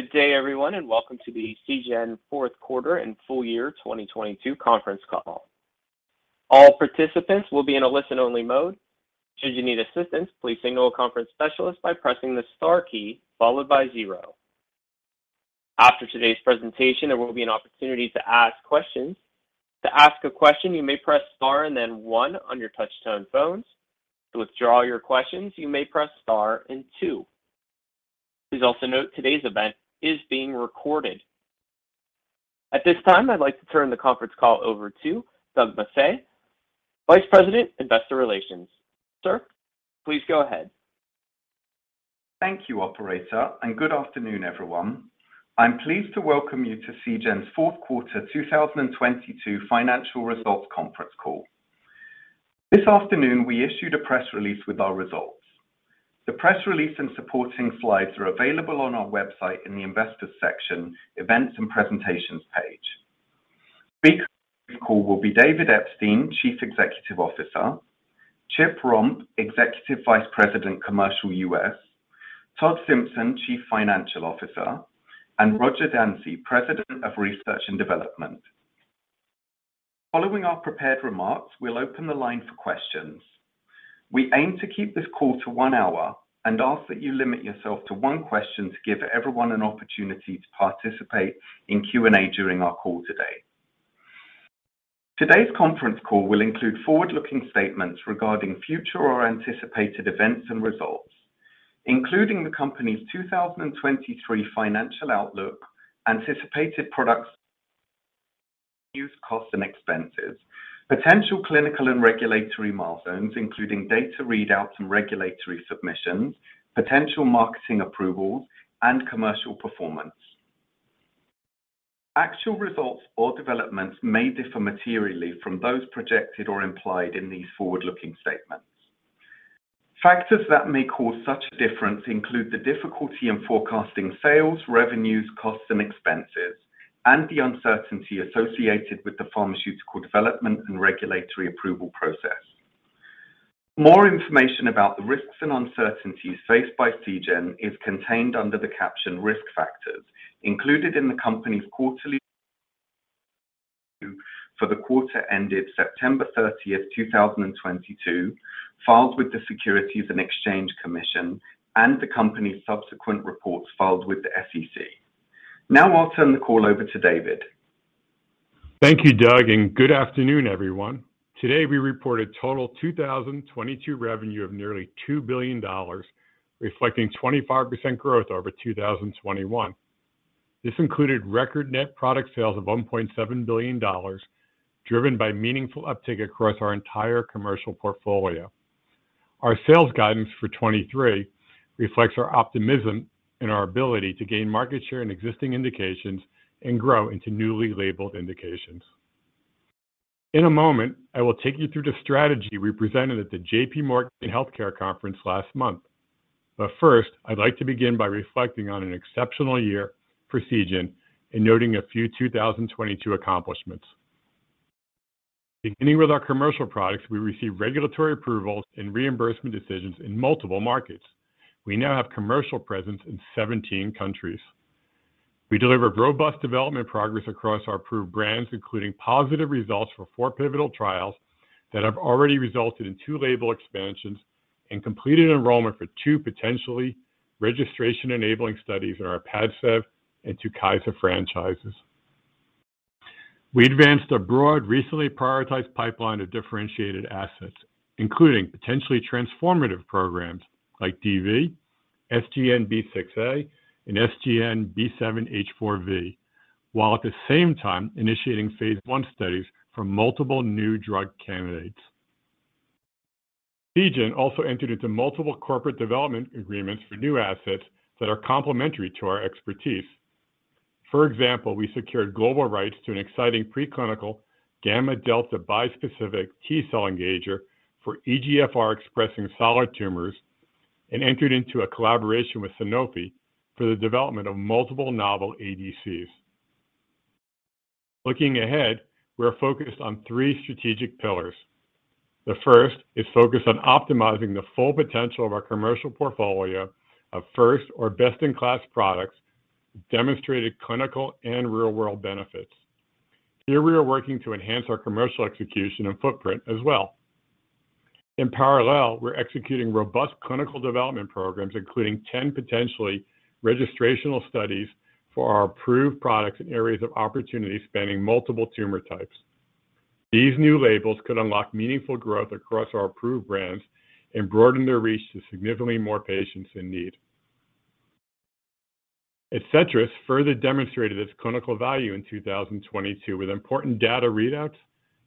Good day everyone, welcome to the Seagen fourth quarter and full-year 2022 conference call. All participants will be in a listen-only mode. Should you need assistance, please signal a conference specialist by pressing the star key followed by zero. After today's presentation, there will be an opportunity to ask questions. To ask a question, you may press star and then one on your touch-tone phones. To withdraw your questions, you may press star and two. Please also note today's event is being recorded. At this time, I'd like to turn the conference call over to Doug Maffei, Vice President, Investor Relations. Sir, please go ahead. Thank you, operator. Good afternoon, everyone. I'm pleased to welcome you to Seagen's fourth quarter 2022 financial results conference call. This afternoon we issued a press release with our results. The press release and supporting slides are available on our website in the Investors section, Events and Presentations page. Speakers on the call will be David Epstein, Chief Executive Officer, Chip Romp, Executive Vice President, Commercial U.S., Todd Simpson, Chief Financial Officer, and Roger Dansey, President of Research and Development. Following our prepared remarks, we'll open the line for questions. We aim to keep this call to one hour and ask that you limit yourself to one question to give everyone an opportunity to participate in Q&A during our call today. Today's conference call will include forward-looking statements regarding future or anticipated events and results, including the company's 2023 financial outlook, anticipated use costs and expenses, potential clinical and regulatory milestones, including data readouts and regulatory submissions, potential marketing approvals and commercial performance. Actual results or developments may differ materially from those projected or implied in these forward-looking statements. Factors that may cause such a difference include the difficulty in forecasting sales, revenues, costs, and expenses, and the uncertainty associated with the pharmaceutical development and regulatory approval process. More information about the risks and uncertainties faced by Seagen is contained under the caption Risk Factors included in the company's for the quarter ended September 30, 2022, filed with the Securities and Exchange Commission and the company's subsequent reports filed with the SEC. I'll turn the call over to David. Thank you, Doug, good afternoon, everyone. Today we report a total 2022 revenue of nearly $2 billion, reflecting 25% growth over 2021. This included record net product sales of $1.7 billion, driven by meaningful uptake across our entire commercial portfolio. Our sales guidance for 2023 reflects our optimism in our ability to gain market share in existing indications and grow into newly labeled indications. In a moment, I will take you through the strategy we presented at the JPMorgan Healthcare Conference last month. First, I'd like to begin by reflecting on an exceptional year for Seagen and noting a few 2022 accomplishments. Beginning with our commercial products, we received regulatory approvals and reimbursement decisions in multiple markets. We now have commercial presence in 17 countries. We delivered robust development progress across our approved brands, including positive results for four pivotal trials that have already resulted in two label expansions and completed enrollment for two potentially registration-enabling studies in our PADCEV and TUKYSA franchises. We advanced a broad, recently prioritized pipeline of differentiated assets, including potentially transformative programs like DV, SGN-B6A, and SGN-B7H4V, while at the same time initiating phase I studies for multiple new drug candidates. Seagen also entered into multiple corporate development agreements for new assets that are complementary to our expertise. For example, we secured global rights to an exciting preclinical gamma delta bispecific T-cell engager for EGFR expressing solid tumors and entered into a collaboration with Sanofi for the development of multiple novel ADCs. Looking ahead, we are focused on three strategic pillars. The first is focused on optimizing the full potential of our commercial portfolio of first or best-in-class products, demonstrated clinical and real-world benefits. Here we are working to enhance our commercial execution and footprint as well. In parallel, we're executing robust clinical development programs, including 10 potentially registrational studies for our approved products in areas of opportunity spanning multiple tumor types. These new labels could unlock meaningful growth across our approved brands and broaden their reach to significantly more patients in need. ADCETRIS further demonstrated its clinical value in 2022 with important data readouts,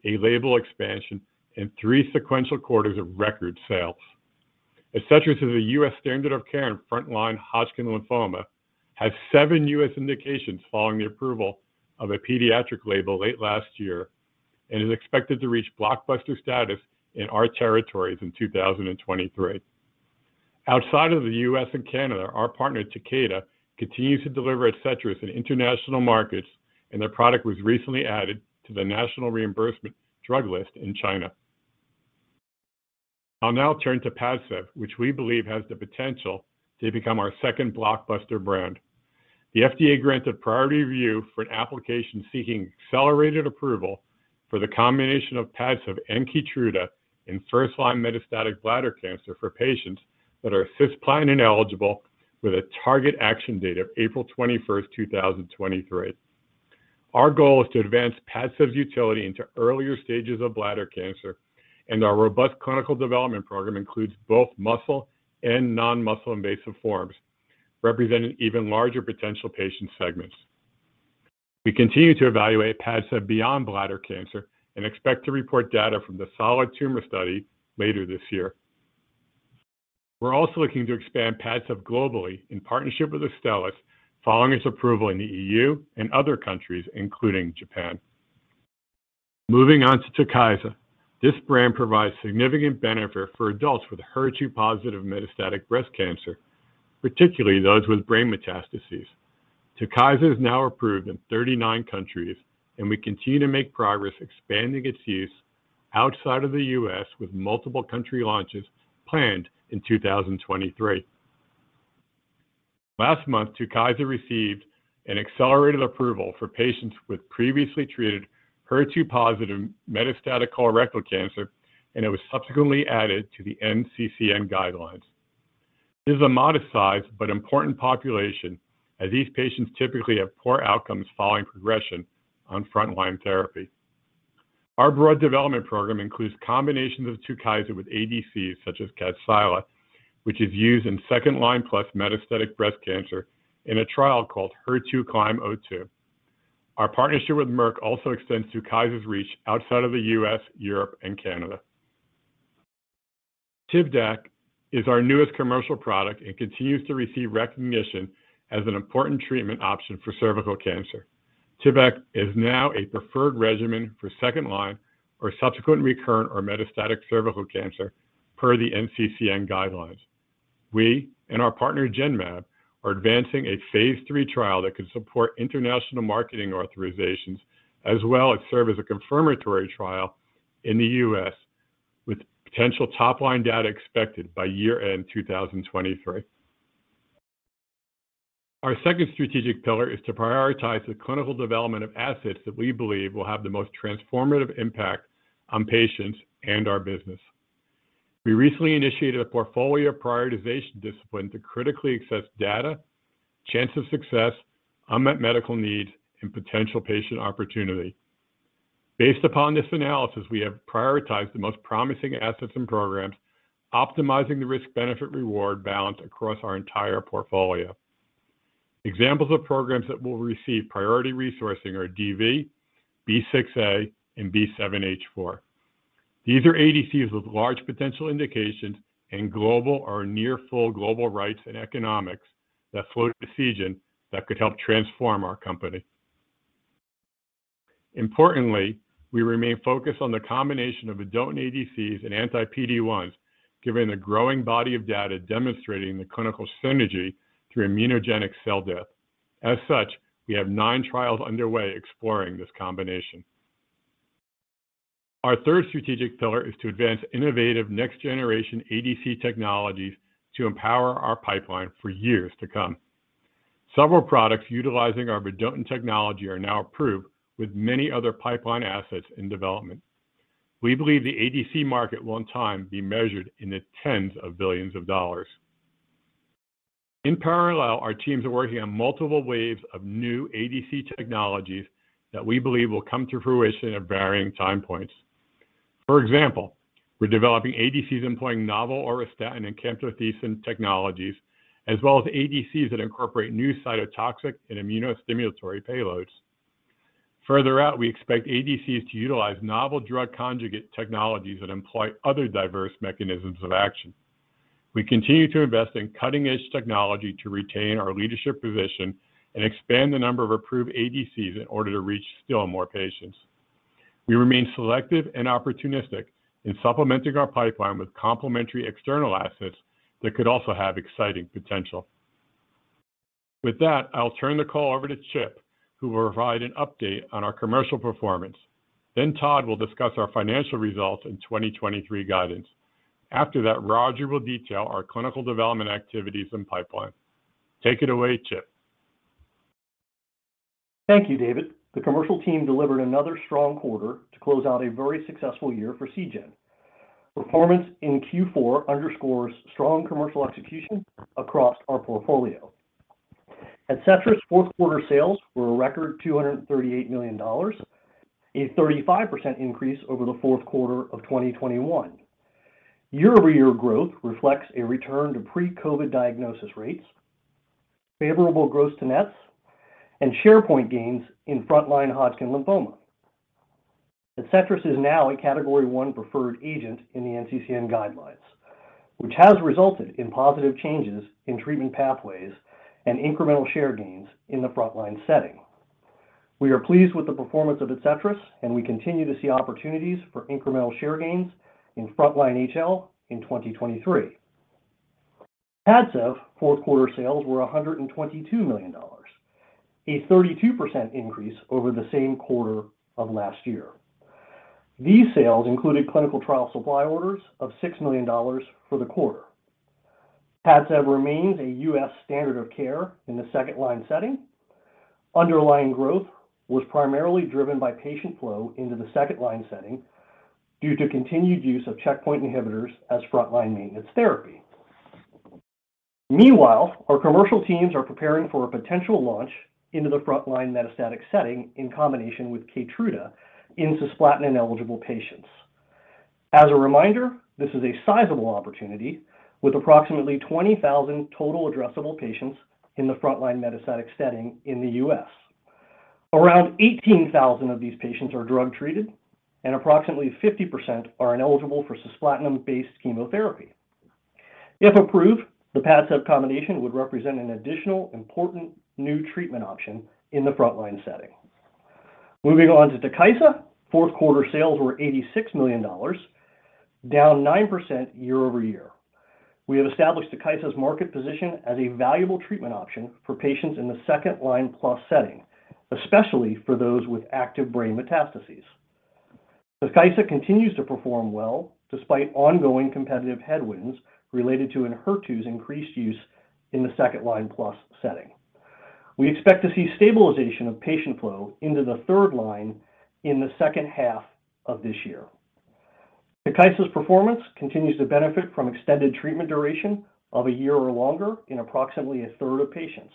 a label expansion, and three sequential quarters of record sales. ADCETRIS is a U.S. standard of care in frontline Hodgkin lymphoma, has seven U.S. indications following the approval of a pediatric label late last year, and is expected to reach blockbuster status in our territories in 2023. Outside of the U.S. and Canada, our partner Takeda continues to deliver ADCETRIS in international markets. Their product was recently added to the National Reimbursement Drug List in China. I'll now turn to PADCEV, which we believe has the potential to become our second blockbuster brand. The FDA granted priority review for an application seeking accelerated approval for the combination of PADCEV and KEYTRUDA in first-line metastatic bladder cancer for patients that are cisplatin-eligible with a target action date of April 21st, 2023. Our goal is to advance PADCEV's utility into earlier stages of bladder cancer. Our robust clinical development program includes both muscle and non-muscle invasive forms, representing even larger potential patient segments. We continue to evaluate PADCEV beyond bladder cancer and expect to report data from the solid tumor study later this year. We're also looking to expand PADCEV globally in partnership with Astellas following its approval in the EU and other countries, including Japan. Moving on to TUKYSA. This brand provides significant benefit for adults with HER2-positive metastatic breast cancer, particularly those with brain metastases. TUKYSA is now approved in 39 countries, and we continue to make progress expanding its use outside of the U.S. with multiple country launches planned in 2023. Last month, TUKYSA received an accelerated approval for patients with previously treated HER2-positive metastatic colorectal cancer. It was subsequently added to the NCCN guidelines. This is a modest size but important population as these patients typically have poor outcomes following progression on frontline therapy. Our broad development program includes combinations of TUKYSA with ADCs such as Kadcyla, which is used in second-line plus metastatic breast cancer in a trial called HER2CLIMB-02. Our partnership with Merck also extends TUKYSA's reach outside of the U.S., Europe, and Canada. TIVDAK is our newest commercial product and continues to receive recognition as an important treatment option for cervical cancer. TIVDAK is now a preferred regimen for second-line or subsequent recurrent or metastatic cervical cancer per the NCCN guidelines. We and our partner Genmab are advancing a phase III trial that could support international marketing authorizations as well as serve as a confirmatory trial in the U.S. with potential top-line data expected by year-end 2023. Our second strategic pillar is to prioritize the clinical development of assets that we believe will have the most transformative impact on patients and our business. We recently initiated a portfolio prioritization discipline to critically assess data, chance of success, unmet medical need, and potential patient opportunity. Based upon this analysis, we have prioritized the most promising assets and programs, optimizing the risk-benefit reward balance across our entire portfolio. Examples of programs that will receive priority resourcing are DV, B6A, and B7-H4. These are ADCs with large potential indications and global or near full global rights and economics that flow to Seagen that could help transform our company. Importantly, we remain focused on the combination of vedotin ADCs and anti-PD-1s, given the growing body of data demonstrating the clinical synergy through immunogenic cell death. As such, we have nine trials underway exploring this combination. Our third strategic pillar is to advance innovative next-generation ADC technologies to empower our pipeline for years to come. Several products utilizing our vedotin technology are now approved with many other pipeline assets in development. We believe the ADC market will, in time, be measured in the tens of billions of dollars. In parallel, our teams are working on multiple waves of new ADC technologies that we believe will come to fruition at varying time points. For example, we're developing ADCs employing novel auristatin and camptothecin technologies, as well as ADCs that incorporate new cytotoxic and immunostimulatory payloads. Further out, we expect ADCs to utilize novel drug conjugate technologies that employ other diverse mechanisms of action. We continue to invest in cutting-edge technology to retain our leadership position and expand the number of approved ADCs in order to reach still more patients. We remain selective and opportunistic in supplementing our pipeline with complementary external assets that could also have exciting potential. With that, I'll turn the call over to Chip, who will provide an update on our commercial performance. Todd will discuss our financial results and 2023 guidance. Roger will detail our clinical development activities and pipeline. Take it away, Chip. Thank you, David. The commercial team delivered another strong quarter to close out a very successful year for Seagen. Performance in Q4 underscores strong commercial execution across our portfolio. ADCETRIS fourth quarter sales were a record $238 million, a 35% increase over the fourth quarter of 2021. Year-over-year growth reflects a return to pre-COVID diagnosis rates, favorable gross to nets, and share point gains in frontline Hodgkin lymphoma. ADCETRIS is now a Category 1 preferred agent in the NCCN guidelines, which has resulted in positive changes in treatment pathways and incremental share gains in the frontline setting. We are pleased with the performance of ADCETRIS, and we continue to see opportunities for incremental share gains in frontline HL in 2023. PADCEV fourth quarter sales were $122 million, a 32% increase over the same quarter of last year. These sales included clinical trial supply orders of $6 million for the quarter. PADCEV remains a U.S. standard of care in the second line setting. Underlying growth was primarily driven by patient flow into the second line setting due to continued use of checkpoint inhibitors as frontline maintenance therapy. Meanwhile, our commercial teams are preparing for a potential launch into the frontline metastatic setting in combination with KEYTRUDA in cisplatin-eligible patients. As a reminder, this is a sizable opportunity with approximately 20,000 total addressable patients in the frontline metastatic setting in the U.S.. Around 18,000 of these patients are drug-treated, and approximately 50% are ineligible for cisplatin-based chemotherapy. If approved, the PADCEV combination would represent an additional important new treatment option in the frontline setting. Moving on to TIVDAK, fourth quarter sales were $86 million, down 9% year-over-year. We have established TIVDAK's market position as a valuable treatment option for patients in the second line plus setting, especially for those with active brain metastases. TIVDAK continues to perform well despite ongoing competitive headwinds related to ENHERTU's increased use in the second line plus setting. We expect to see stabilization of patient flow into the third line in the second half of this year. TIVDAK's performance continues to benefit from extended treatment duration of a year or longer in approximately a third of patients,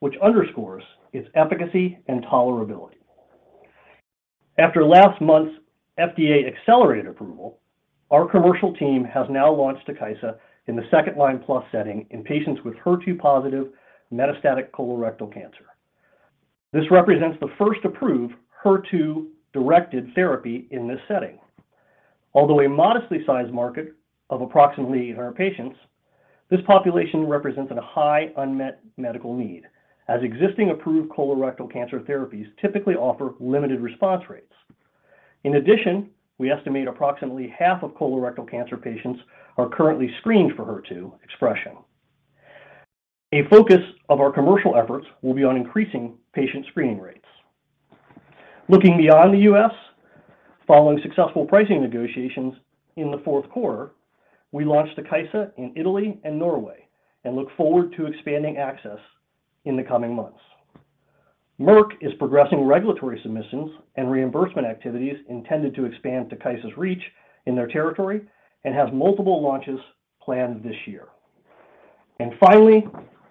which underscores its efficacy and tolerability. After last month's FDA accelerated approval, our commercial team has now launched TUKYSA in the second line plus setting in patients with HER2-positive metastatic colorectal cancer. This represents the first approved HER2-directed therapy in this setting. Although a modestly sized market of approximately our patients, this population represents a high unmet medical need as existing approved colorectal cancer therapies typically offer limited response rates. In addition, we estimate approximately half of colorectal cancer patients are currently screened for HER2 expression. A focus of our commercial efforts will be on increasing patient screening rates. Looking beyond the U.S., following successful pricing negotiations in the fourth quarter, we launched TIVDAK in Italy and Norway and look forward to expanding access in the coming months. Merck is progressing regulatory submissions and reimbursement activities intended to expand TIVDAK's reach in their territory and has multiple launches planned this year. And finally,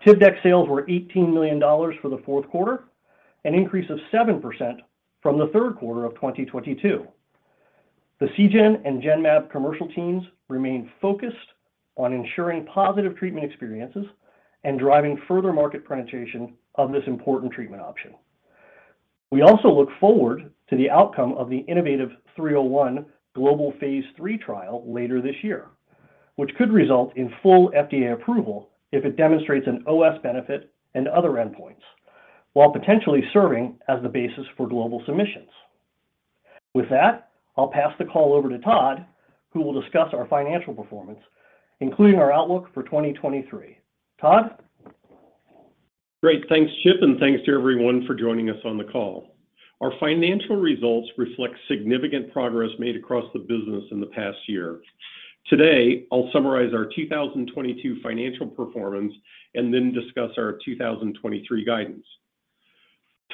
TIVDAK sales were $18 million for the fourth quarter, an increase of 7% from the third quarter of 2022. The Seagen and Genmab commercial teams remain focused on ensuring positive treatment experiences and driving further market penetration of this important treatment option. We also look forward to the outcome of the innovaTV 301 global phase III trial later this year, which could result in full FDA approval if it demonstrates an OS benefit and other endpoints, while potentially serving as the basis for global submissions. I'll pass the call over to Todd, who will discuss our financial performance, including our outlook for 2023. Todd? Great. Thanks, Chip, and thanks to everyone for joining us on the call. Our financial results reflect significant progress made across the business in the past year. Today, I'll summarize our 2022 financial performance and then discuss our 2023 guidance.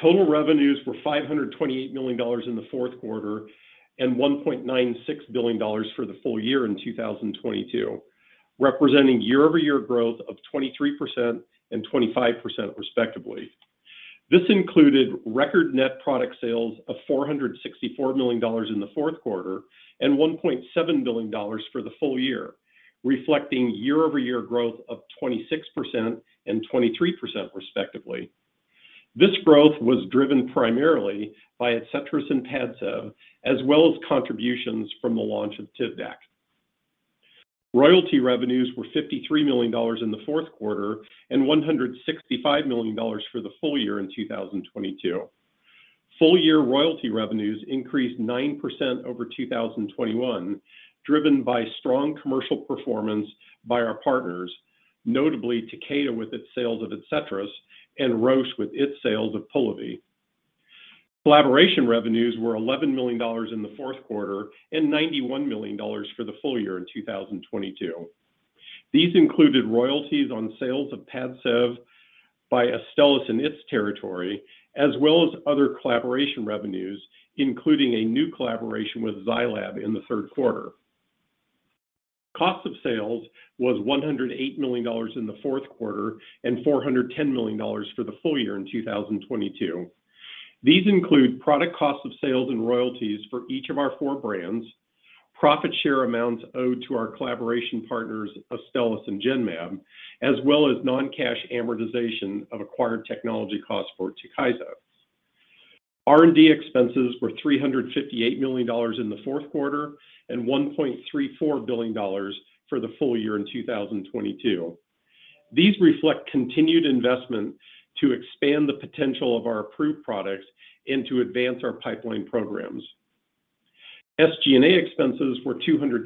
Total revenues were $528 million in the fourth quarter and $1.96 billion for the full-year in 2022, representing year-over-year growth of 23% and 25% respectively. This included record net product sales of $464 million in the fourth quarter and $1.7 billion for the full-year, reflecting year-over-year growth of 26% and 23% respectively. This growth was driven primarily by ADCETRIS and PADCEV, as well as contributions from the launch of TIVDAK. Royalty revenues were $53 million in the fourth quarter and $165 million for the full-year in 2022. Full-year royalty revenues increased 9% over 2021, driven by strong commercial performance by our partners, notably Takeda with its sales of ADCETRIS and Roche with its sales of Polivy. Collaboration revenues were $11 million in the fourth quarter and $91 million for the full-year in 2022. These included royalties on sales of PADCEV by Astellas in its territory, as well as other collaboration revenues, including a new collaboration with Zai Lab in the third quarter. Cost of sales was $108 million in the fourth quarter and $410 million for the full-year in 2022. These include product cost of sales and royalties for each of our four brands, profit share amounts owed to our collaboration partners, Astellas and Genmab, as well as non-cash amortization of acquired technology costs for TUKYSA. R&D expenses were $358 million in the fourth quarter and $1.34 billion for the full-year in 2022. These reflect continued investment to expand the potential of our approved products and to advance our pipeline programs. SG&A expenses were $216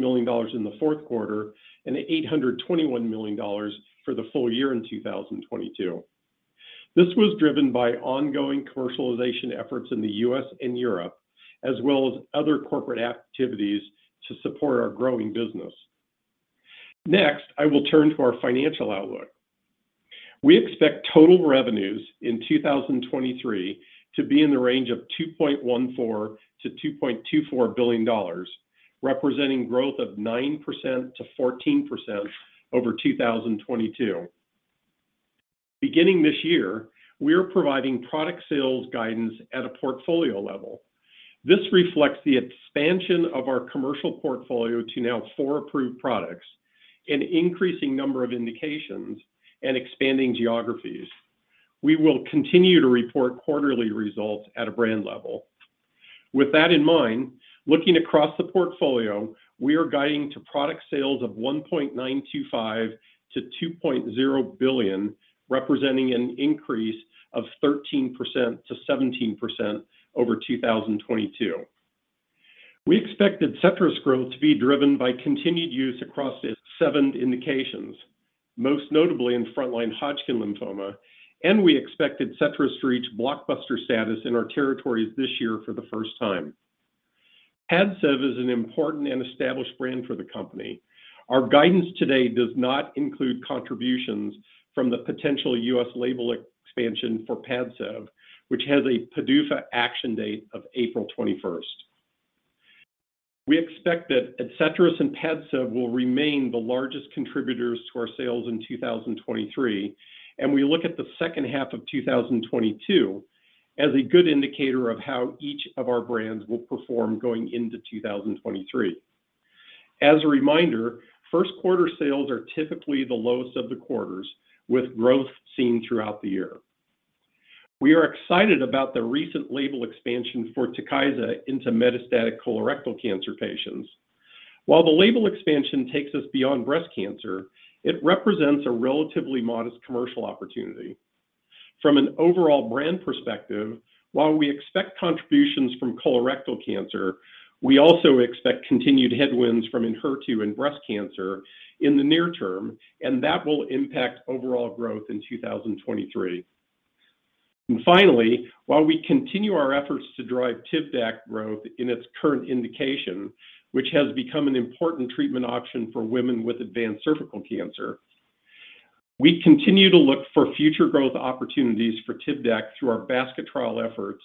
million in the fourth quarter and $821 million for the full-year in 2022. This was driven by ongoing commercialization efforts in the U.S. and Europe, as well as other corporate activities to support our growing business. Next, I will turn to our financial outlook. We expect total revenues in 2023 to be in the range of $2.14 billion-$2.24 billion, representing growth of 9%-14% over 2022. Beginning this year, we are providing product sales guidance at a portfolio level. This reflects the expansion of our commercial portfolio to now four approved products, an increasing number of indications, and expanding geographies. We will continue to report quarterly results at a brand level. With that in mind, looking across the portfolio, we are guiding to product sales of $1.925 billion-$2.0 billion, representing an increase of 13%-17% over 2022. We expect ADCETRIS growth to be driven by continued use across its seven indications, most notably in front-line Hodgkin lymphoma. We expect ADCETRIS to reach blockbuster status in our territories this year for the first time. PADCEV is an important and established brand for the company. Our guidance today does not include contributions from the potential U.S. label expansion for PADCEV, which has a PDUFA action date of April 21st. We expect that ADCETRIS and PADCEV will remain the largest contributors to our sales in 2023. We look at the second half of 2022 as a good indicator of how each of our brands will perform going into 2023. As a reminder, first quarter sales are typically the lowest of the quarters, with growth seen throughout the year. We are excited about the recent label expansion for TUKYSA into metastatic colorectal cancer patients. While the label expansion takes us beyond breast cancer, it represents a relatively modest commercial opportunity. From an overall brand perspective, while we expect contributions from colorectal cancer, we also expect continued headwinds from HER2 and breast cancer in the near term. That will impact overall growth in 2023. Finally, while we continue our efforts to drive TIVDAK growth in its current indication, which has become an important treatment option for women with advanced cervical cancer, we continue to look for future growth opportunities for TIVDAK through our basket trial efforts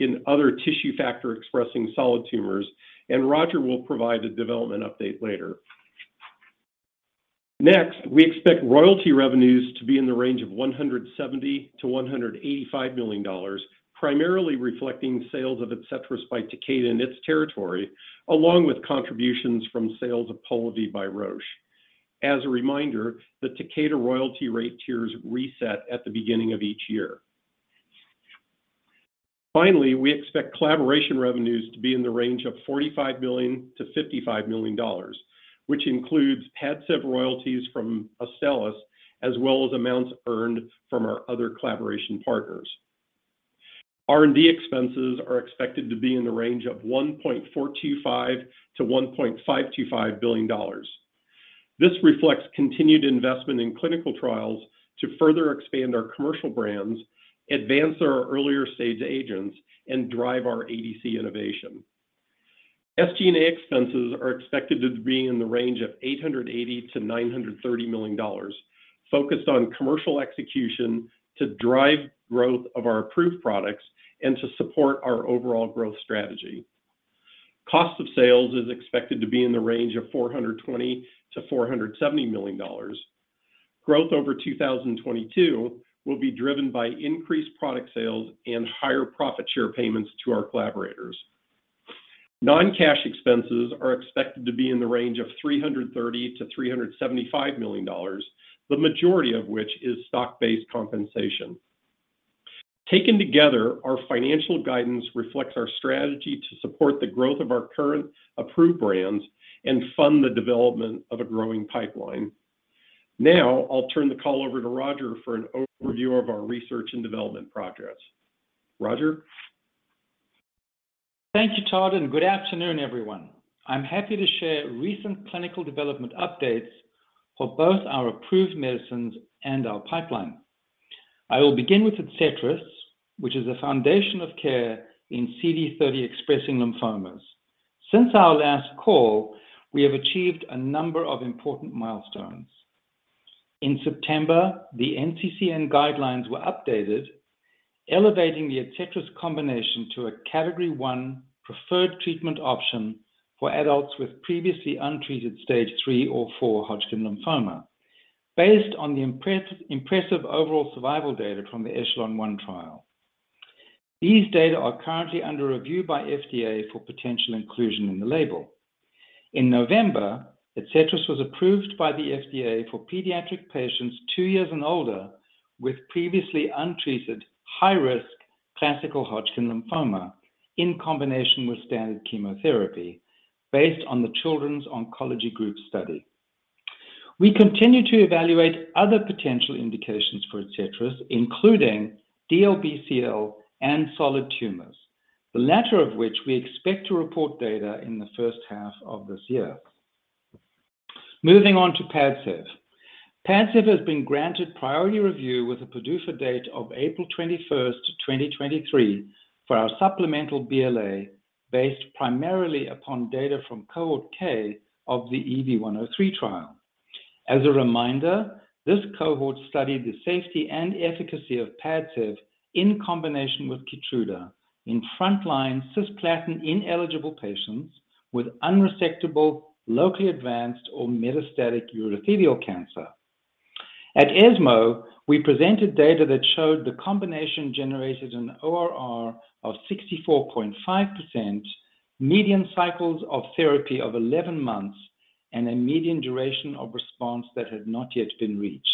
in other tissue factor expressing solid tumors, and Roger will provide a development update later. We expect royalty revenues to be in the range of $170 million-$185 million, primarily reflecting sales of ADCETRIS by Takeda in its territory, along with contributions from sales of Polivy by Roche. As a reminder, the Takeda royalty rate tiers reset at the beginning of each year. We expect collaboration revenues to be in the range of $45 million-$55 million, which includes PADCEV royalties from Astellas, as well as amounts earned from our other collaboration partners. R&D expenses are expected to be in the range of $1.425 billion-$1.525 billion. This reflects continued investment in clinical trials to further expand our commercial brands, advance our earlier-stage agents, and drive our ADC innovation. SG&A expenses are expected to be in the range of $880 million-$930 million, focused on commercial execution to drive growth of our approved products and to support our overall growth strategy. Cost of sales is expected to be in the range of $420 million-$470 million. Growth over 2022 will be driven by increased product sales and higher profit share payments to our collaborators. Non-cash expenses are expected to be in the range of $330 million-$375 million, the majority of which is stock-based compensation. Taken together, our financial guidance reflects our strategy to support the growth of our current approved brands and fund the development of a growing pipeline. Now, I'll turn the call over to Roger for an overview of our research and development progress. Roger? Thank you, Todd. Good afternoon, everyone. I'm happy to share recent clinical development updates for both our approved medicines and our pipeline. I will begin with ADCETRIS, which is the foundation of care in CD30-expressing lymphomas. Since our last call, we have achieved a number of important milestones. In September, the NCCN guidelines were updated, elevating the ADCETRIS combination to a Category 1 preferred treatment option for adults with previously untreated Stage 3 or 4 Hodgkin lymphoma. Based on the impressive overall survival data from the ECHELON-1 trial. These data are currently under review by FDA for potential inclusion in the label. In November, ADCETRIS was approved by the FDA for pediatric patients two years and older with previously untreated high-risk classical Hodgkin lymphoma in combination with standard chemotherapy based on the Children's Oncology Group study. We continue to evaluate other potential indications for ADCETRIS, including DLBCL and solid tumors, the latter of which we expect to report data in the first half of this year. Moving on to PADCEV. PADCEV has been granted priority review with a PDUFA date of April 21st, 2023 for our supplemental BLA based primarily upon data from Cohort K of the EV-103 trial. As a reminder, this cohort studied the safety and efficacy of PADCEV in combination with KEYTRUDA in front-line cisplatin-ineligible patients with unresectable, locally advanced or metastatic urothelial cancer. At ESMO, we presented data that showed the combination generated an ORR of 64.5%, median cycles of therapy of 11 months, and a median duration of response that had not yet been reached.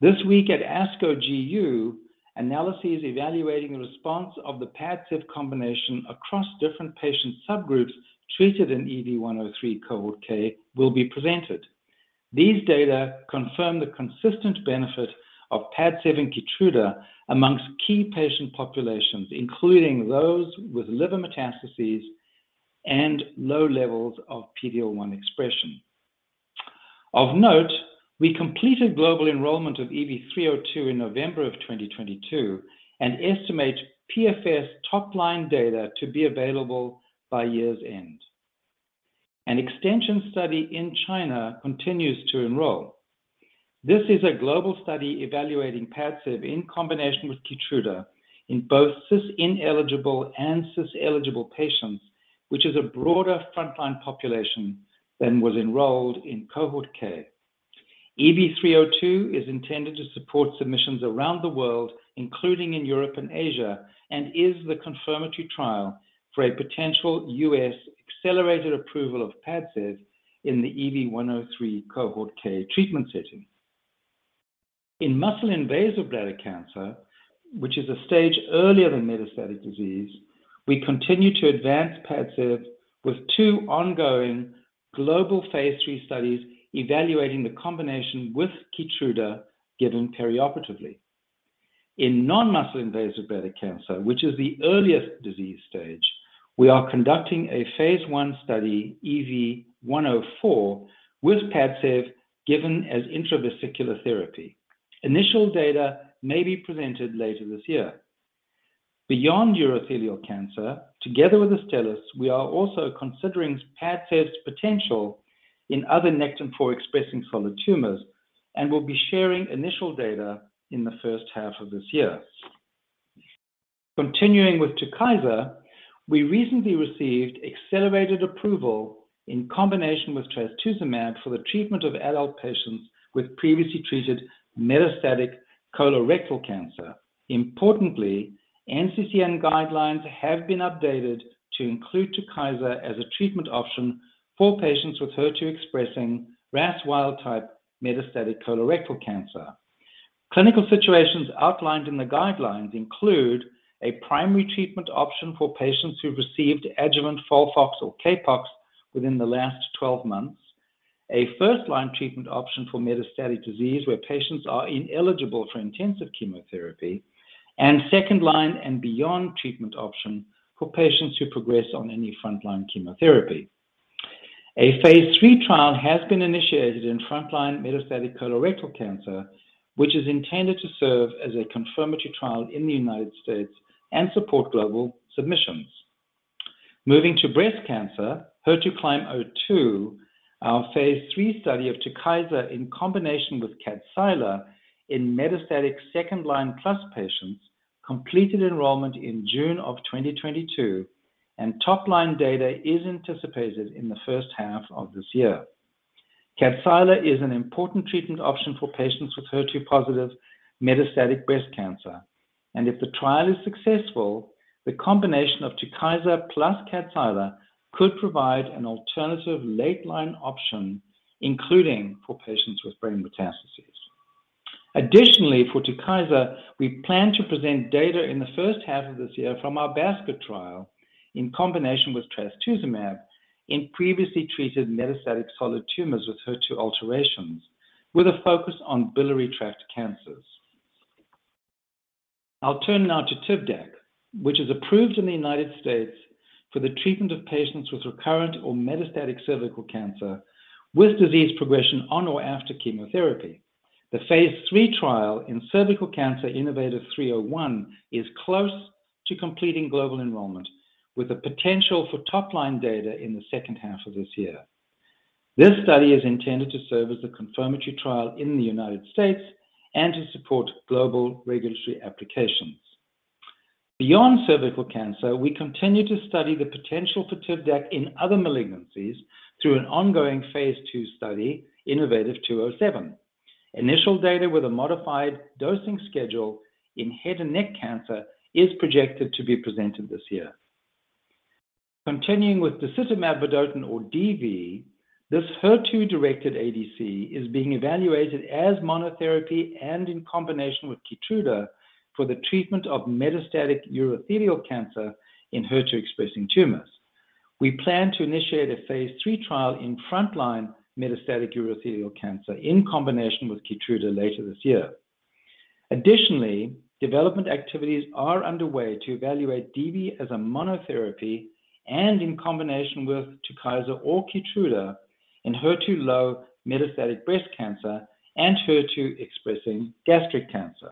This week at ASCO GU, analyses evaluating the response of the PADCEV combination across different patient subgroups treated in EV-103 Cohort K will be presented. These data confirm the consistent benefit of PADCEV and KEYTRUDA amongst key patient populations, including those with liver metastases and low levels of PD-L1 expression. Of note, we completed global enrollment of EV-302 in November of 2022 and estimate PFS top-line data to be available by year's end. An extension study in China continues to enroll. This is a global study evaluating PADCEV in combination with KEYTRUDA in both cis-ineligible and cis-eligible patients, which is a broader front-line population than was enrolled in Cohort K. EV-302 is intended to support submissions around the world, including in Europe and Asia, and is the confirmatory trial for a potential U.S. accelerated approval of PADCEV in the EV-103 Cohort K treatment setting. In muscle-invasive bladder cancer, which is a stage earlier than metastatic disease, we continue to advance PADCEV with two ongoing global phase III studies evaluating the combination with KEYTRUDA given perioperatively. In non-muscle invasive bladder cancer, which is the earliest disease stage, we are conducting a phase I study, EV-104, with PADCEV given as intravesical therapy. Initial data may be presented later this year. Beyond urothelial cancer, together with Astellas, we are also considering PADCEV's potential in other Nectin-4 expressing solid tumors, and we'll be sharing initial data in the first half of this year. Continuing with TUKYSA, we recently received accelerated approval in combination with trastuzumab for the treatment of adult patients with previously treated metastatic colorectal cancer. Importantly, NCCN guidelines have been updated to include TUKYSA as a treatment option for patients with HER2 expressing RAS wild-type metastatic colorectal cancer. Clinical situations outlined in the guidelines include a primary treatment option for patients who received adjuvant FOLFOX or CAPOX within the last 12 months, a first-line treatment option for metastatic disease where patients are ineligible for intensive chemotherapy, and second-line and beyond treatment option for patients who progress on any front-line chemotherapy. A phase III trial has been initiated in front-line metastatic colorectal cancer, which is intended to serve as a confirmatory trial in the United States and support global submissions. Moving to breast cancer, HER2CLIMB-02, our phase III study of TUKYSA in combination with Kadcyla in metastatic second-line plus patients, completed enrollment in June of 2022, Top-line data is anticipated in the first half of this year. Kadcyla is an important treatment option for patients with HER2-positive metastatic breast cancer. If the trial is successful, the combination of TUKYSA plus Kadcyla could provide an alternative late-line option, including for patients with brain metastases. Additionally, for TUKYSA, we plan to present data in the first half of this year from our basket trial in combination with trastuzumab in previously treated metastatic solid tumors with HER2 alterations, with a focus on biliary tract cancers. I'll turn now to TIVDAK, which is approved in the United States for the treatment of patients with recurrent or metastatic cervical cancer with disease progression on or after chemotherapy. The phase III trial in cervical cancer, innovaTV 301, is close to completing global enrollment, with the potential for top-line data in the second half of this year. This study is intended to serve as a confirmatory trial in the United States and to support global regulatory applications. Beyond cervical cancer, we continue to study the potential for TIVDAK in other malignancies through an ongoing phase II study, innovaTV 207. Initial data with a modified dosing schedule in head and neck cancer is projected to be presented this year. Continuing with disitamab vedotin or DV, this HER2-directed ADC is being evaluated as monotherapy and in combination with KEYTRUDA for the treatment of metastatic urothelial cancer in HER2-expressing tumors. We plan to initiate a phase III trial in frontline metastatic urothelial cancer in combination with KEYTRUDA later this year. Development activities are underway to evaluate DV as a monotherapy and in combination with TUKYSA or KEYTRUDA in HER2-low metastatic breast cancer and HER2-expressing gastric cancer.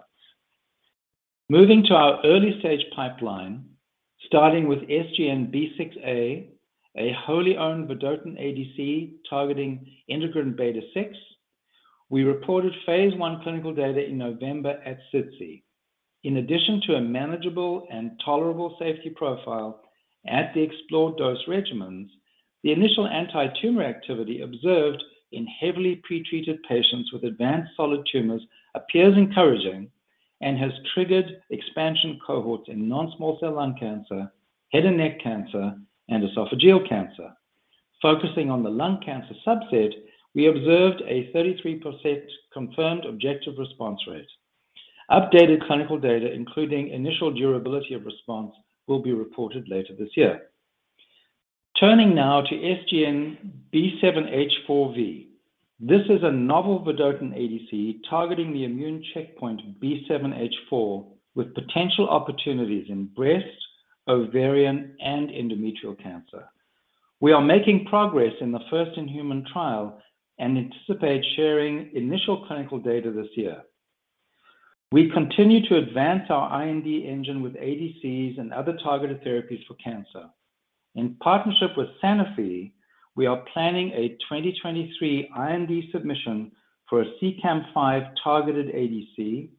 Moving to our early-stage pipeline, starting with SGN-B6A, a wholly-owned vedotin ADC targeting integrin beta-6. We reported phase I clinical data in November at SITC. In addition to a manageable and tolerable safety profile at the explored dose regimens, the initial antitumor activity observed in heavily pretreated patients with advanced solid tumors appears encouraging and has triggered expansion cohorts in non-small cell lung cancer, head and neck cancer, and esophageal cancer. Focusing on the lung cancer subset, we observed a 33% confirmed objective response rate. Updated clinical data, including initial durability of response, will be reported later this year. Turning now to SGN-B7H4V. This is a novel vedotin ADC targeting the immune checkpoint B7-H4, with potential opportunities in breast, ovarian, and endometrial cancer. We are making progress in the first-in-human trial and anticipate sharing initial clinical data this year. We continue to advance our IND engine with ADCs and other targeted therapies for cancer. In partnership with Sanofi, we are planning a 2023 IND submission for a CEACAM5 targeted ADC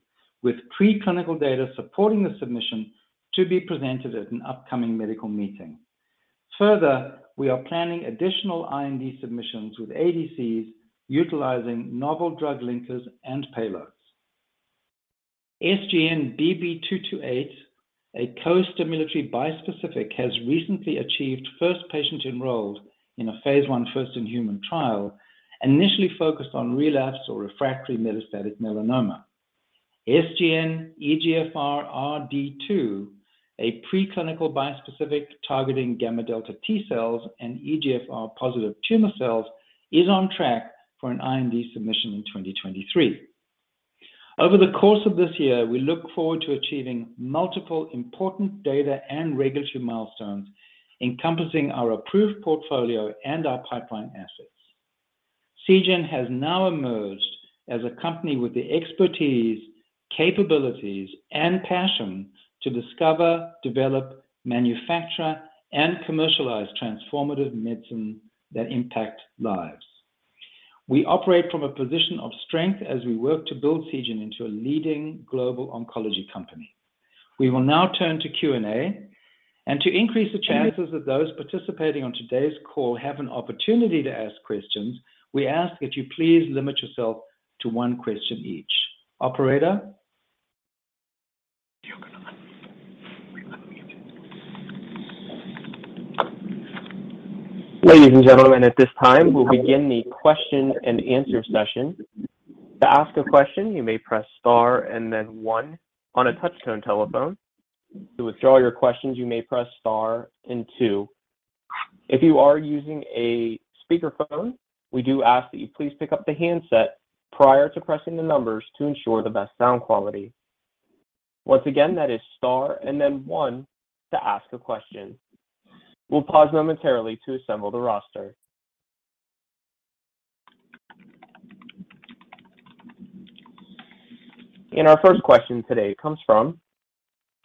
with preclinical data supporting the submission to be presented at an upcoming medical meeting. Further, we are planning additional IND submissions with ADCs utilizing novel drug linkers and payloads. SGN-BB228, a costimulatory bispecific, has recently achieved first patient enrolled in a phase I first-in-human trial, initially focused on relapse or refractory metastatic melanoma. SGN-EGFRd2, a preclinical bispecific targeting gamma delta T cells and EGFR-positive tumor cells, is on track for an IND submission in 2023. Over the course of this year, we look forward to achieving multiple important data and regulatory milestones encompassing our approved portfolio and our pipeline assets. Seagen has now emerged as a company with the expertise, capabilities, and passion to discover, develop, manufacture, and commercialize transformative medicine that impact lives. We operate from a position of strength as we work to build Seagen into a leading global oncology company. We will now turn to Q&A. To increase the chances of those participating on today's call have an opportunity to ask questions, we ask that you please limit yourself to one question each. Operator. Ladies and gentlemen, at this time, we'll begin the question and answer session. To ask a question, you may press star and then one on a touch-tone telephone. To withdraw your questions, you may press star and two. If you are using a speakerphone, we do ask that you please pick up the handset prior to pressing the numbers to ensure the best sound quality. Once again, that is star and then one to ask a question. We'll pause momentarily to assemble the roster. Our first question today comes from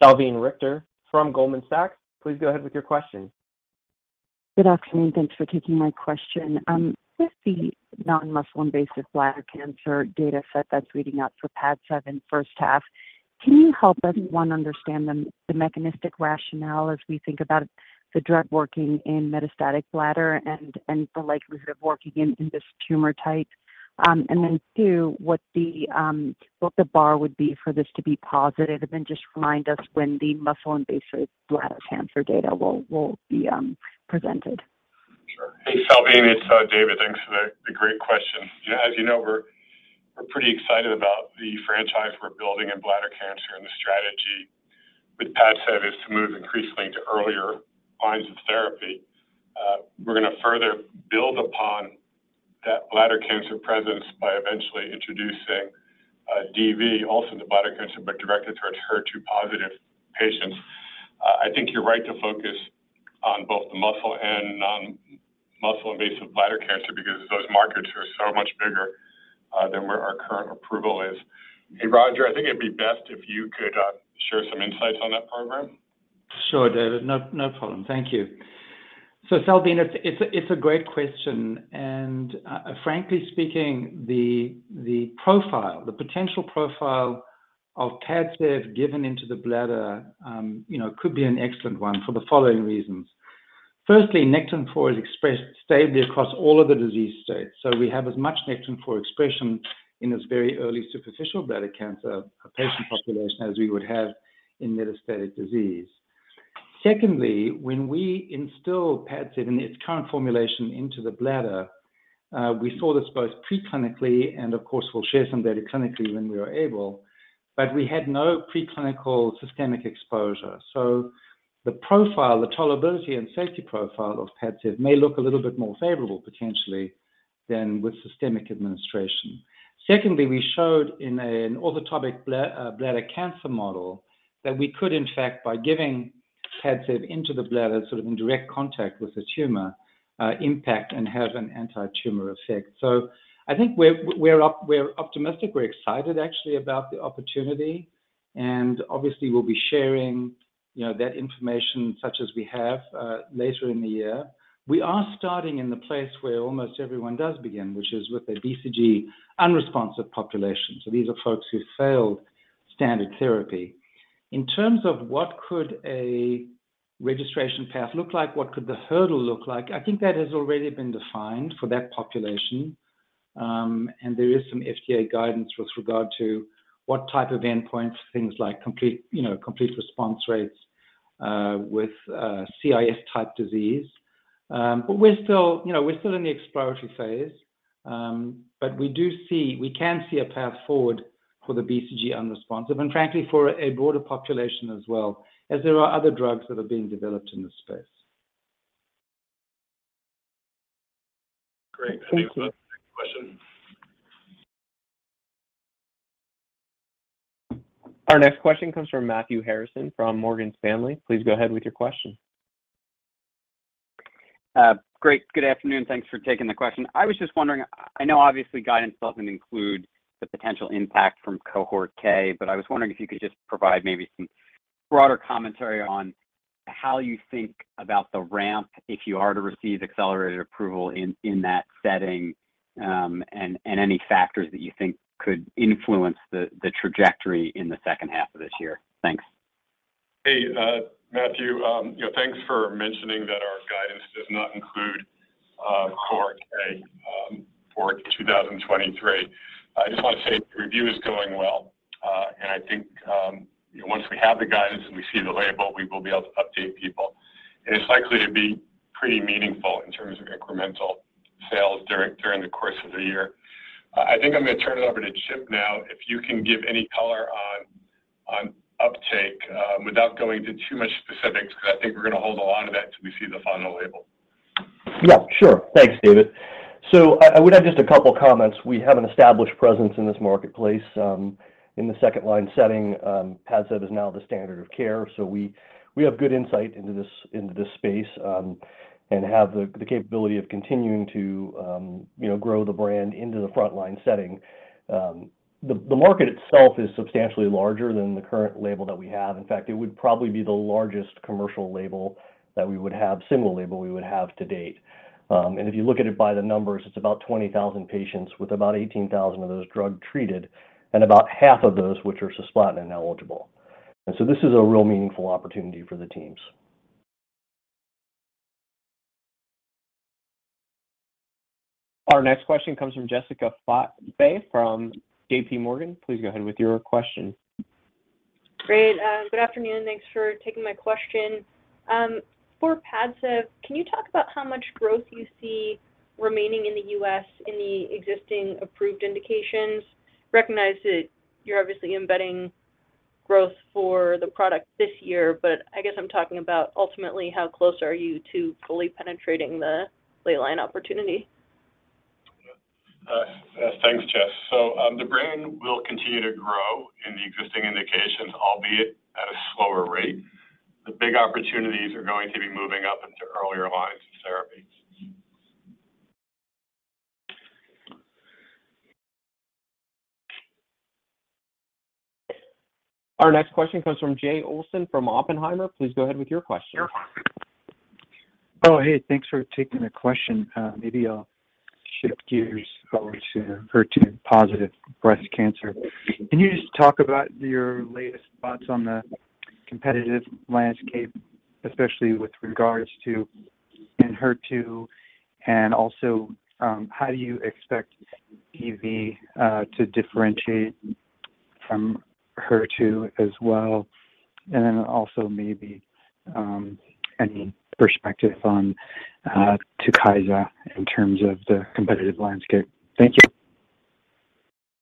Salveen Richter from Goldman Sachs. Please go ahead with your question. Good afternoon. Thanks for taking my question. With the non-muscle-invasive bladder cancer data set that's reading out for PADCEV in first half, can you help us, one, understand the mechanistic rationale as we think about the drug working in metastatic bladder and the likelihood of working in this tumor type? Then two, what the bar would be for this to be positive? Then just remind us when the muscle-invasive bladder cancer data will be presented. Sure. Hey, Salveen, it's David. Thanks for the great question. As you know, we're pretty excited about the franchise we're building in bladder cancer and the strategy with PADCEV is to move increasingly to earlier lines of therapy. We're gonna further build upon that bladder cancer presence by eventually introducing DV also into bladder cancer, but directed towards HER2-positive patients. I think you're right to focus on both the muscle and non-muscle-invasive bladder cancer because those markets are so much bigger than where our current approval is. Hey, Roger, I think it'd be best if you could share some insights on that program. Sure, David. No, no problem. Thank you. Salveen, it's a great question. Frankly speaking, the profile, the potential profile of PADCEV given into the bladder, you know, could be an excellent one for the following reasons. Firstly, Nectin-4 is expressed stably across all of the disease states. We have as much Nectin-4 expression in this very early superficial bladder cancer patient population as we would have in metastatic disease. Secondly, when we instill PADCEV in its current formulation into the bladder. We saw this both preclinically and of course we'll share some data clinically when we are able. We had no preclinical systemic exposure. The profile, the tolerability and safety profile of PADCEV may look a little bit more favorable potentially than with systemic administration. We showed in an orthotopic bladder cancer model that we could in fact by giving PADCEV into the bladder, sort of in direct contact with the tumor, impact and have an antitumor effect. I think we're optimistic. We're excited actually about the opportunity and obviously we'll be sharing, you know, that information such as we have later in the year. We are starting in the place where almost everyone does begin, which is with a BCG unresponsive population. These are folks who failed standard therapy. In terms of what could a registration path look like, what could the hurdle look like? I think that has already been defined for that population. There is some FDA guidance with regard to what type of endpoints, things like complete, you know, complete response rates with CIS type disease. We're still, you know, we're still in the exploratory phase. We do see, we can see a path forward for the BCG unresponsive and frankly for a broader population as well, as there are other drugs that are being developed in this space. Great. Thank you. Next question. Our next question comes from Matthew Harrison from Morgan Stanley. Please go ahead with your question. Great. Good afternoon. Thanks for taking the question. I was just wondering, I know obviously guidance doesn't include the potential impact from Cohort K. I was wondering if you could just provide maybe some broader commentary on how you think about the ramp if you are to receive accelerated approval in that setting, and any factors that you think could influence the trajectory in the second half of this year. Thanks. Hey, Matthew, you know, thanks for mentioning that our guidance does not include Cohort K for 2023. I just wanna say the review is going well, and I think, you know, once we have the guidance and we see the label, we will be able to update people. It's likely to be pretty meaningful in terms of incremental sales during the course of the year. I think I'm gonna turn it over to Chip now, if you can give any color on uptake, without going into too much specifics, 'cause I think we're gonna hold a lot of that till we see the final label. Yeah, sure. Thanks, David. I would add just a couple comments. We have an established presence in this marketplace, in the second line setting, PADCEV is now the standard of care, we have good insight into this space, and have the capability of continuing to, you know, grow the brand into the frontline setting. The market itself is substantially larger than the current label that we have. In fact, it would probably be the largest commercial label that we would have, similar label we would have to date. If you look at it by the numbers, it's about 20,000 patients with about 18,000 of those drug treated, and about half of those which are cisplatin eligible. This is a real meaningful opportunity for the teams. Our next question comes from Jessica Fye from JPMorgan. Please go ahead with your question. Great. Good afternoon. Thanks for taking my question. For PADCEV, can you talk about how much growth you see remaining in the U.S. in the existing approved indications? Recognize that you're obviously embedding growth for the product this year, but I guess I'm talking about ultimately how close are you to fully penetrating the lay line opportunity? Thanks, Jess. The brand will continue to grow in the existing indications, albeit at a slower rate. The big opportunities are going to be moving up into earlier lines of therapy. Our next question comes from Jay Olson from Oppenheimer. Please go ahead with your question. Hey, thanks for taking the question. Maybe I'll shift gears over to HER2-positive breast cancer. Can you just talk about your latest thoughts on the competitive landscape, especially with regards to ENHERTU and also, how do you expect DV to differentiate from ENHERTU as well? Also maybe, any perspective on TUKYSA in terms of the competitive landscape. Thank you.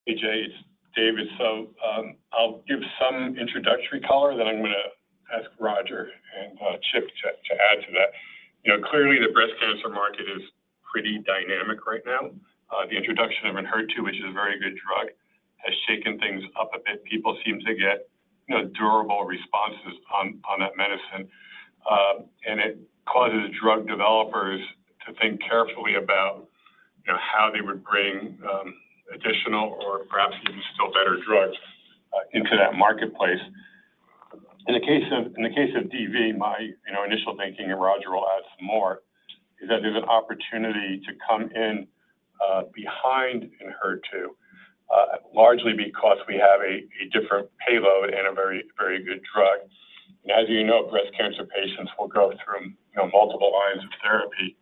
Hey, Jay, it's David. I'll give some introductory color, then I'm gonna ask Roger and Chip to add to that. You know, clearly the breast cancer market is pretty dynamic right now. The introduction of ENHERTU, which is a very good drug, has shaken things up a bit. People seem to get, you know, durable responses on that medicine, and it causes drug developers to think carefully about, you know, how they would bring additional or perhaps even still better drugs into that marketplace. In the case of DV, my, you know, initial thinking, and Roger will add some more, is that there's an opportunity to come in behind ENHERTU, largely because we have a different payload and a very, very good drug. As you know, breast cancer patients will go through, you know, multiple lines of therapy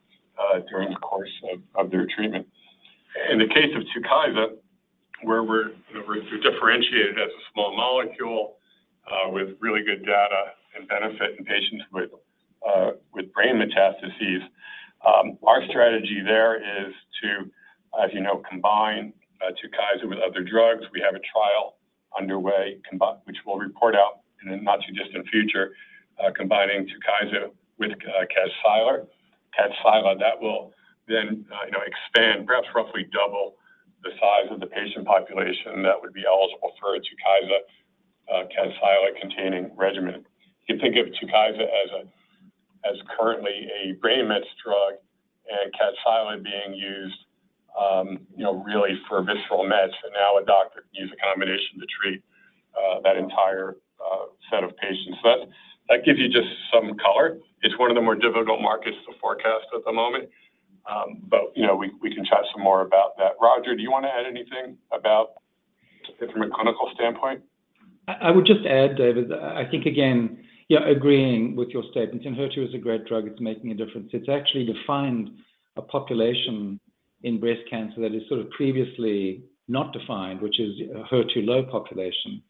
during the course of their treatment. In the case of TUKYSA, where we're differentiated as a small molecule, with really good data and benefit in patients with brain metastases. Our strategy there is to, as you know, combine TUKYSA with other drugs. We have a trial underway which we'll report out in the not-too-distant future, combining TUKYSA with Kadcyla. Kadcyla, that will then, you know, expand, perhaps roughly double the size of the patient population that would be eligible for a TUKYSA, Kadcyla containing regimen. You can think of TUKYSA as currently a brain mets drug, and Kadcyla being used, you know, really for visceral mets. Now a doctor can use a combination to treat that entire set of patients. That gives you just some color. It's one of the more difficult markets to forecast at the moment. You know, we can chat some more about that. Roger, do you want to add anything about it from a clinical standpoint? I would just add, David, I think again, yeah, agreeing with your statements. ENHERTU is a great drug. It's making a difference. It's actually defined a population in breast cancer that is sort of previously not defined, which is a HER2-low population.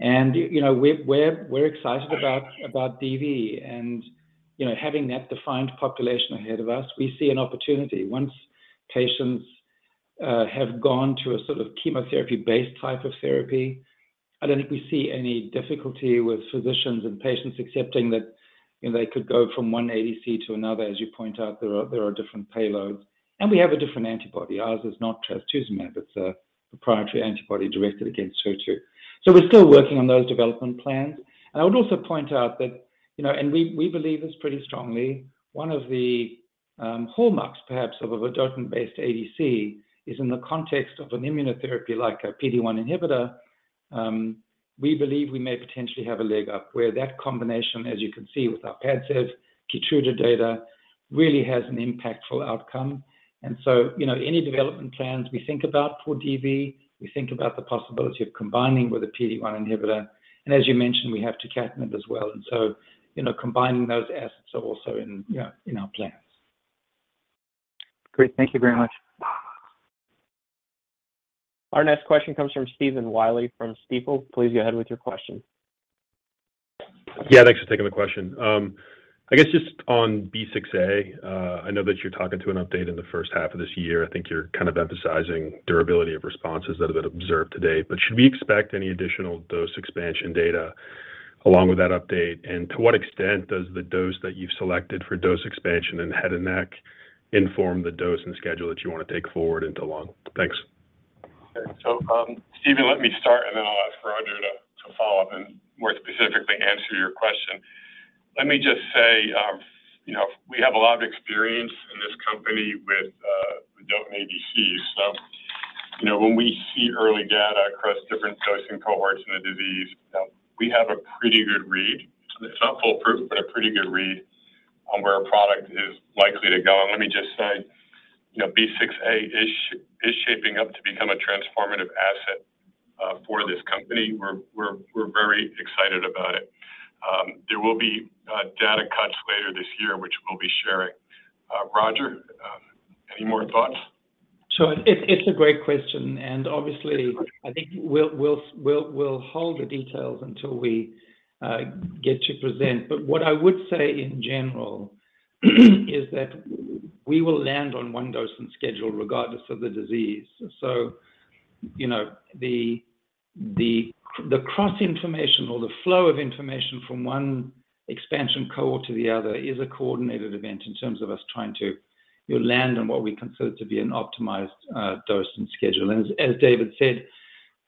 You know, we're excited about disitamab vedotin. You know, having that defined population ahead of us, we see an opportunity. Once patients have gone to a sort of chemotherapy-based type of therapy, I don't think we see any difficulty with physicians and patients accepting that, you know, they could go from one ADC to another. As you point out, there are different payloads. We have a different antibody. Ours is not trastuzumab. It's a proprietary antibody directed against ENHERTU. We're still working on those development plans. I would also point out that, you know, and we believe this pretty strongly, one of the hallmarks perhaps of a vedotin-based ADC is in the context of an immunotherapy like a PD-1 inhibitor. We believe we may potentially have a leg up where that combination, as you can see with our PADCEV/KEYTRUDA data, really has an impactful outcome. You know, any development plans we think about for DV, we think about the possibility of combining with a PD-1 inhibitor. As you mentioned, we have tucatinib as well. You know, combining those assets are also in our plans. Great. Thank you very much. Our next question comes from Stephen Willey from Stifel. Please go ahead with your question. Thanks for taking the question. I guess just on B6A, I know that you're talking to an update in the first half of this year. I think you're kind of emphasizing durability of responses that have been observed to date. Should we expect any additional dose expansion data along with that update? To what extent does the dose that you've selected for dose expansion in head and neck inform the dose and schedule that you want to take forward into lung? Thanks. Stephen, let me start, and then I'll ask Roger to follow up and more specifically answer your question. Let me just say, you know, we have a lot of experience in this company with vedotin ADCs. You know, when we see early data across different dosing cohorts in a disease, we have a pretty good read. It's not foolproof, but a pretty good read on where a product is likely to go. Let me just say, you know, SGN-B6A is shaping up to become a transformative asset for this company. We're very excited about it. There will be data cuts later this year, which we'll be sharing. Roger, any more thoughts? Sure. It's a great question. Obviously, I think we'll hold the details until we get to present. What I would say in general is that we will land on one dose and schedule regardless of the disease. You know, the cross-information or the flow of information from one expansion cohort to the other is a coordinated event in terms of us trying to land on what we consider to be an optimized dose and schedule. As David said,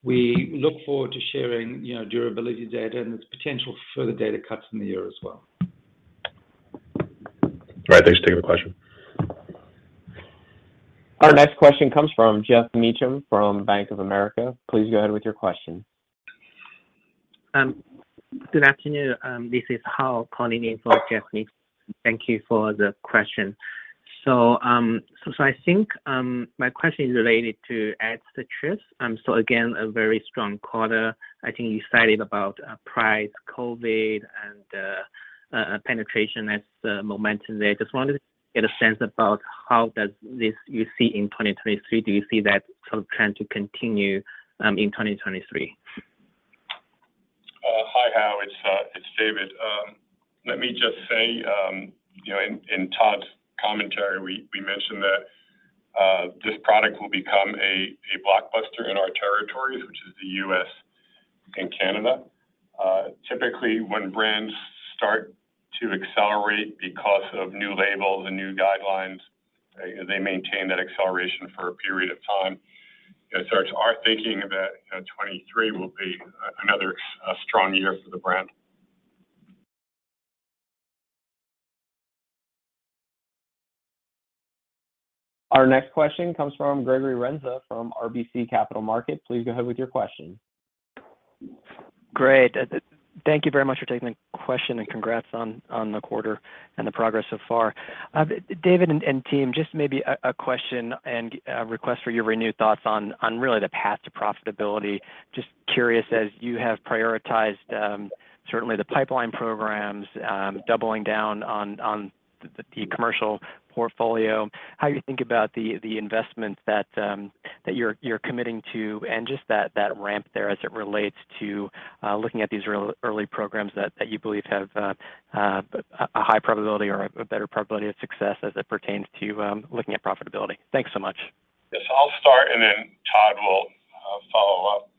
we look forward to sharing, you know, durability data and its potential for the data cuts in the year as well. All right. Thanks for taking the question. Our next question comes from Geoff Meacham from Bank of America. Please go ahead with your question. Good afternoon. This is Hao calling in for Geoff Meacham. Thank you for the question. I think my question is related to ADCETRIS. Again, a very strong quarter. I think you cited about price, COVID, and penetration as momentum there. Just wanted to get a sense about how does this you see in 2023. Do you see that sort of trend to continue in 2023? Hi, Hao. It's David. Let me just say, you know, in Todd's commentary, we mentioned that this product will become a blockbuster in our territories, which is the U.S. and Canada. Typically, when brands start to accelerate because of new labels and new guidelines, they maintain that acceleration for a period of time. It's our thinking that, you know, 2023 will be another strong year for the brand. Our next question comes from Gregory Renza from RBC Capital Markets. Please go ahead with your question. Great. Thank you very much for taking the question, and congrats on the quarter and the progress so far. David and team, just maybe a question and a request for your renewed thoughts on really the path to profitability. Just curious as you have prioritized, certainly the pipeline programs, doubling down on the commercial portfolio, how you think about the investments that you're committing to and just that ramp there as it relates to looking at these early programs that you believe have a high probability or a better probability of success as it pertains to looking at profitability. Thanks so much. Yes, I'll start, and then Todd will follow up.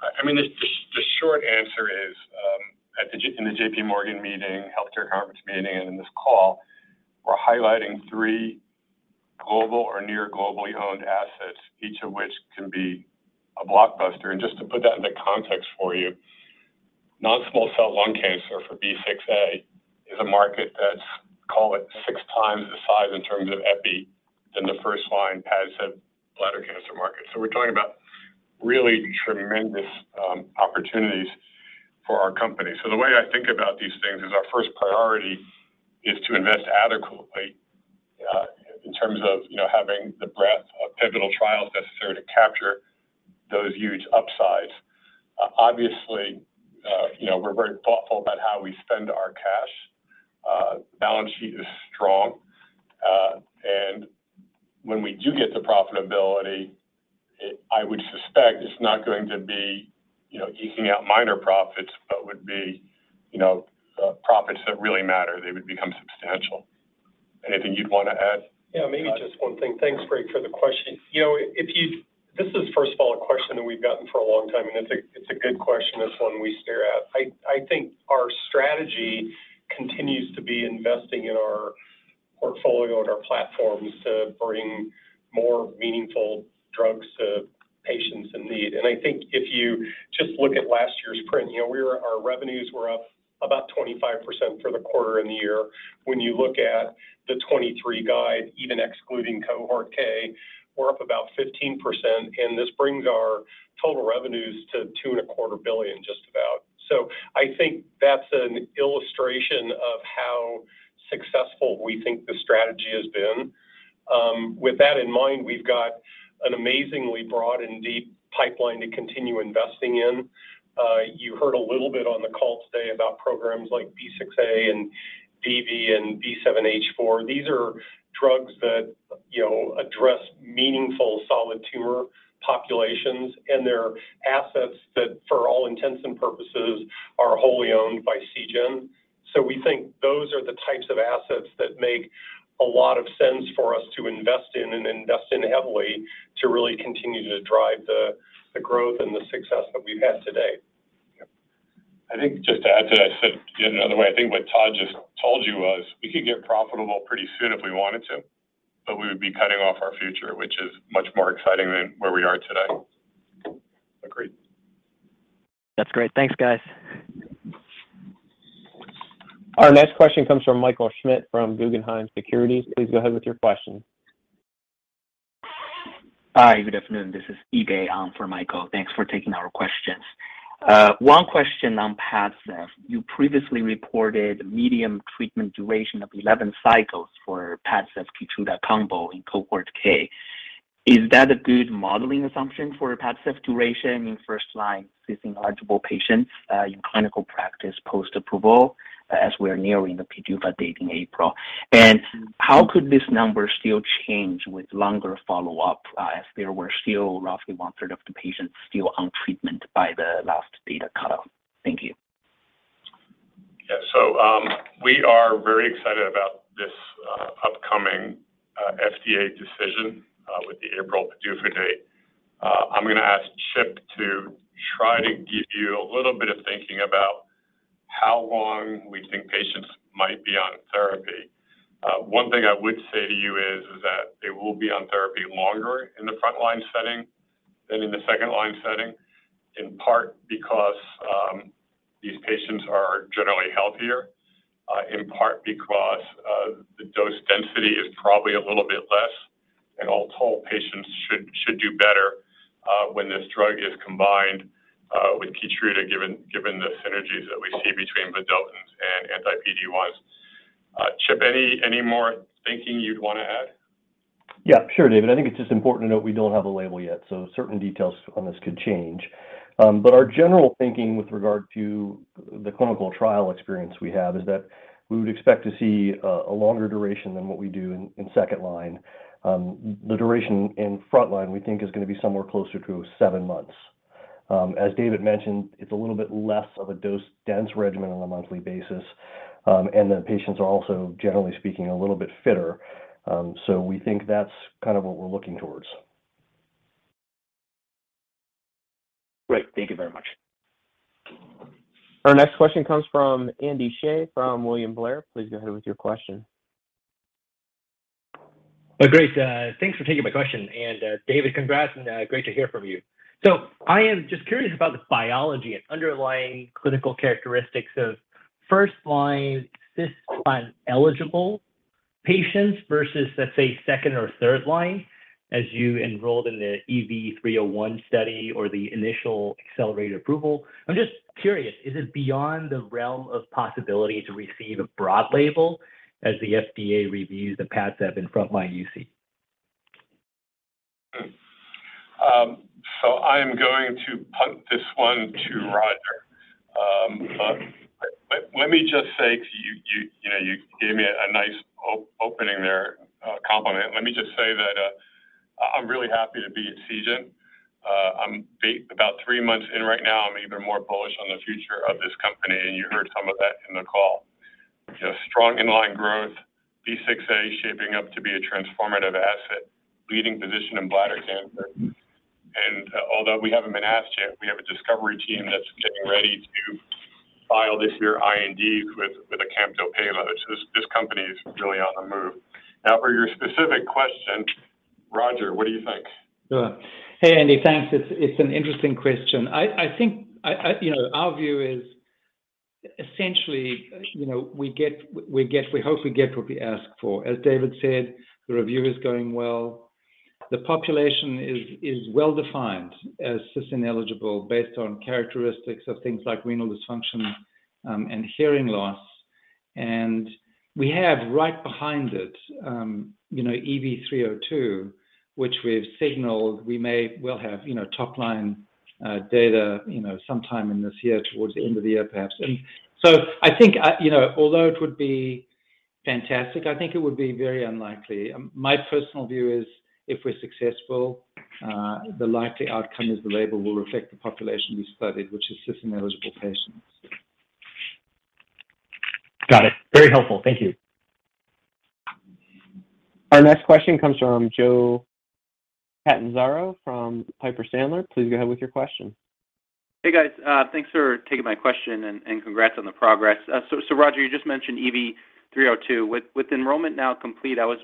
I mean, the short answer is, at the JPMorgan meeting, Healthcare Conference meeting, and in this call, we're highlighting three global or near globally owned assets, each of which can be a blockbuster. Just to put that into context for you, non-small cell lung cancer for B6A is a market that's, call it, six times the size in terms of epi than the first-line PADCEV bladder cancer market. We're talking about really tremendous opportunities for our company. The way I think about these things is our first priority is to invest adequately, in terms of, you know, having the breadth of pivotal trials necessary to capture those huge upsides. Obviously, you know, we're very thoughtful about how we spend our cash. Balance sheet is strong. When we do get the profitability, I would suspect it's not going to be, you know, eking out minor profits, but would be, you know, profits that really matter. They would become substantial. Anything you'd wanna add? Yeah, maybe just one thing. Thanks, Greg, for the question. You know, if this is first of all a question that we've gotten for a long time, and it's a good question. It's one we stare at. I think our strategy continues to be investing in our portfolio and our platforms to bring more meaningful drugs to patients in need. I think if you just look at last year's print, you know, our revenues were up about 25% for the quarter and the year. When you look at the 2023 guide, even excluding Cohort K, we're up about 15%, and this brings our total revenues to $2.25 billion, just about. I think that's an illustration of how successful we think the strategy has been. With that in mind, we've got an amazingly broad and deep pipeline to continue investing in. You heard a little bit on the call today about programs like SGN-B6A and BV and B7-H4. These are drugs that, you know, address meaningful solid tumor populations, and they're assets that, for all intents and purposes, are wholly owned by Seagen. We think those are the types of assets that make a lot of sense for us to invest in and invest in heavily to really continue to drive the growth and the success that we've had today. I think just to add to that, said in another way, I think what Todd just told you was we could get profitable pretty soon if we wanted to, but we would be cutting off our future, which is much more exciting than where we are today. Agreed. That's great. Thanks, guys. Our next question comes from Michael Schmidt from Guggenheim Securities. Please go ahead with your question. Hi, good afternoon. This is Yige for Michael. Thanks for taking our questions. One question on PADCEV. You previously reported medium treatment duration of 11 cycles for PADCEV/KEYTRUDA combo in Cohort K. Is that a good modeling assumption for PADCEV duration in first-line fit eligible patients in clinical practice post-approval as we're nearing the PDUFA date in April? How could this number still change with longer follow-up as there were still roughly one third of the patients still on treatment by the last data cutoff? Thank you. We are very excited about this upcoming FDA decision with the April PDUFA date. I'm gonna ask Chip to try to give you a little bit of thinking about how long we think patients might be on therapy. One thing I would say to you is that they will be on therapy longer in the front-line setting than in the second-line setting, in part because these patients are generally healthier, in part because the dose density is probably a little bit less. All told, patients should do better when this drug is combined with KEYTRUDA, given the synergies that we see between vedotins and anti-PD-1s. Chip, any more thinking you'd wanna add? Yeah, sure, David. I think it's just important to note we don't have a label yet, so certain details on this could change. Our general thinking with regard to the clinical trial experience we have is that we would expect to see a longer duration than what we do in second line. The duration in front line we think is gonna be somewhere closer to seven months. As David mentioned, it's a little bit less of a dose-dense regimen on a monthly basis, and the patients are also, generally speaking, a little bit fitter. We think that's kind of what we're looking towards. Great. Thank you very much. Our next question comes from Andy Hsieh from William Blair. Please go ahead with your question. Great. Thanks for taking my question. David, congrats and great to hear from you. I am just curious about the biology and underlying clinical characteristics of first-line fit eligible patients versus, let's say, second or third line as you enrolled in the EV-301 study or the initial accelerated approval. I'm just curious, is it beyond the realm of possibility to receive a broad label as the FDA reviews the PADCEV in front-line UC? I am going to punt this one to Roger. Let me just say to you know, you gave me a nice opening there, compliment. Let me just say that, I'm really happy to be at Seagen. I'm about three months in right now. I'm even more bullish on the future of this company, you heard some of that in the call. You know, strong in line growth, B6A shaping up to be a transformative asset, leading position in bladder cancer. Although we haven't been asked yet, we have a discovery team that's getting ready to file this year IND with a campto payload. This company is really on the move. Now for your specific question, Roger, what do you think? Sure. Hey, Andy. Thanks. It's, it's an interesting question. I think I. You know, our view is essentially, you know, we get we hope we get what we ask for. As David said, the review is going well. The population is well-defined as cis-ineligible based on characteristics of things like renal dysfunction, and hearing loss. We have right behind it, you know, EV-302, which we've signaled we'll have, you know, top line data, you know, sometime in this year, towards the end of the year perhaps. I think I, you know, although it would be fantastic, I think it would be very unlikely. My personal view is if we're successful, the likely outcome is the label will reflect the population we studied, which is cis-ineligible patients. Got it. Very helpful. Thank you. Our next question comes from Joe Catanzaro from Piper Sandler. Please go ahead with your question. Hey, guys. thanks for taking my question and congrats on the progress. Roger, you just mentioned EV-302. With enrollment now complete, I was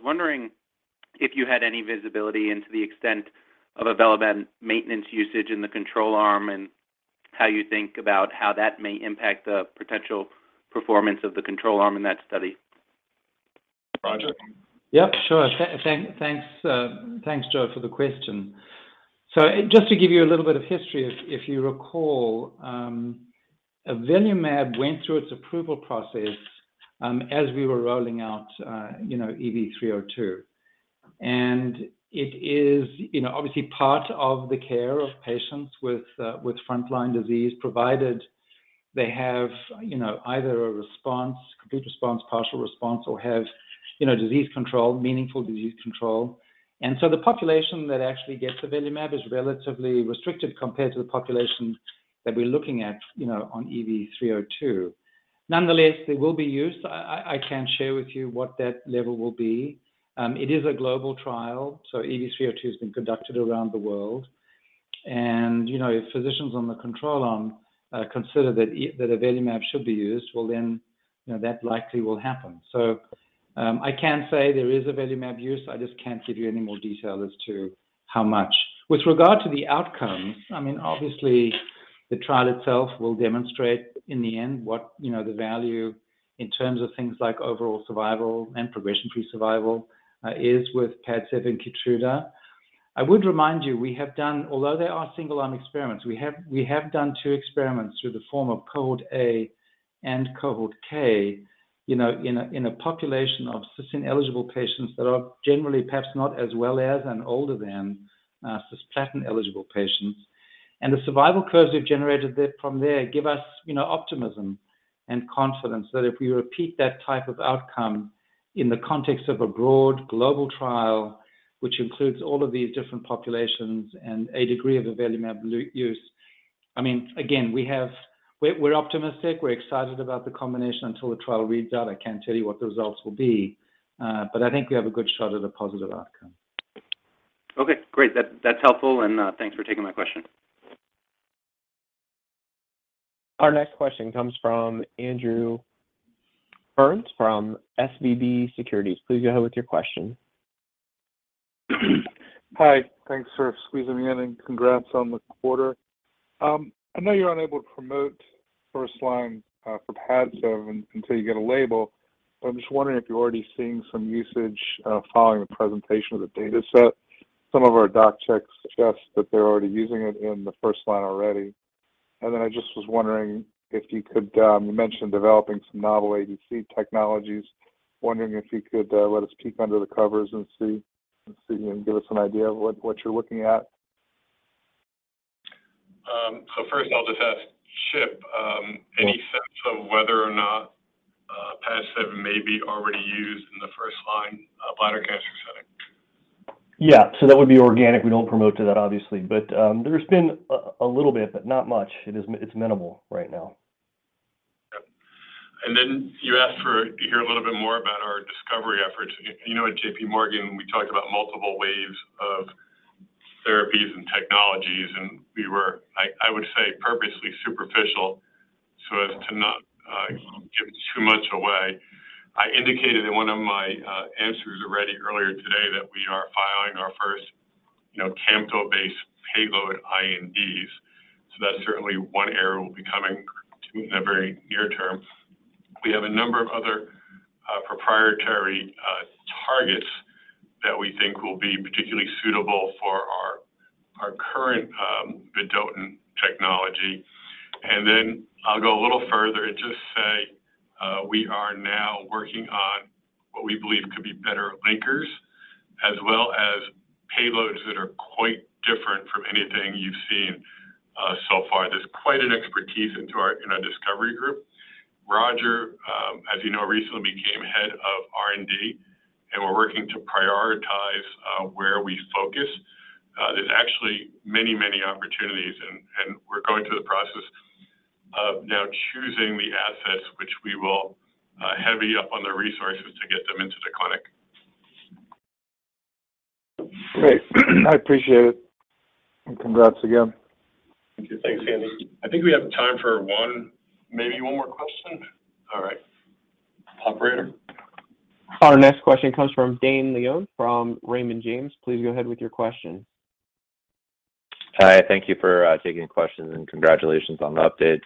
wondering if you had any visibility into the extent of avelumab maintenance usage in the control arm and how you think about how that may impact the potential performance of the control arm in that study. Roger? Yep, sure. Thanks Joe for the question. Just to give you a little bit of history, if you recall, avelumab went through its approval process, as we were rolling out, you know, EV-302. It is, you know, obviously part of the care of patients with frontline disease, provided they have, you know, either a response, complete response, partial response, or have, you know, disease control, meaningful disease control. The population that actually gets avelumab is relatively restricted compared to the population that we're looking at, you know, on EV-302. Nonetheless, they will be used. I can share with you what that level will be. It is a global trial, so EV-302 has been conducted around the world. You know, if physicians on the control arm consider that avelumab should be used, you know, that likely will happen. I can say there is avelumab use. I just can't give you any more detail as to how much. With regard to the outcomes, I mean, obviously, the trial itself will demonstrate in the end what, you know, the value in terms of things like overall survival and progression-free survival is with PADCEV and KEYTRUDA. I would remind you we have done... Although they are single-arm experiments, we have done two experiments through the form of Cohort A and Cohort K, you know, in a population of cis in eligible patients that are generally perhaps not as well as and older than cisplatin-eligible patients. The survival curves we've generated from there give us, you know, optimism and confidence that if we repeat that type of outcome in the context of a broad global trial, which includes all of these different populations and a degree of avelumab use. I mean, again, We're optimistic. We're excited about the combination. Until the trial reads out, I can't tell you what the results will be, but I think we have a good shot at a positive outcome. Okay, great. That's helpful and, thanks for taking my question. Our next question comes from Andrew Berens from SVB Securities. Please go ahead with your question. Hi. Thanks for squeezing me in, congrats on the quarter. I know you're unable to promote first line for PADCEV until you get a label, I'm just wondering if you're already seeing some usage following the presentation of the data set. Some of our doc checks suggest that they're already using it in the first line already. I just was wondering if you could, you mentioned developing some novel ADC technologies. Wondering if you could let us peek under the covers and see and give us an idea of what you're looking at. First I'll just ask Chip, any sense of whether or not PADCEV may be already used in the first line bladder cancer setting? Yeah. That would be organic. We don't promote to that, obviously. There's been a little bit, but not much. It's minimal right now. Yep. You asked for, to hear a little bit more about our discovery efforts. you know, at JPMorgan, we talked about multiple waves of therapies and technologies. We were, I would say, purposely superficial so as to not give too much away. I indicated in one of my answers already earlier today that we are filing our first, you know, campto-based payload INDs. That's certainly one area we'll be coming to in the very near term. We have a number of other proprietary targets that we think will be particularly suitable for our current vedotin technology. I'll go a little further and just say we are now working on what we believe could be better linkers as well as payloads that are quite different from anything you've seen so far. There's quite an expertise into our, in our discovery group. Roger, as you know, recently became head of R&D, and we're working to prioritize where we focus. There's actually many. Process of now choosing the assets, which we will heavy up on the resources to get them into the clinic. Great. I appreciate it. Congrats again. Thank you. Thanks, Andy. I think we have time for one... maybe one more question. All right. Operator. Our next question comes from Dane Leone from Raymond James. Please go ahead with your question. Hi, thank you for taking questions, and congratulations on the updates.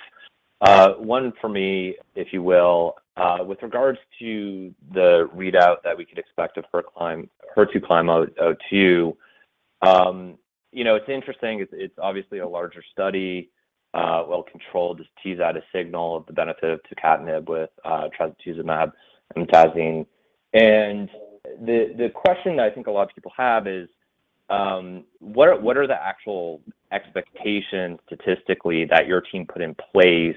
One for me, if you will. With regards to the readout that we could expect for HER2CLIMB-02, you know, it's interesting. It's obviously a larger study, well-controlled, just tease out a signal of the benefit to tucatinib with ado-trastuzumab emtansine. The question that I think a lot of people have is, what are the actual expectations statistically that your team put in place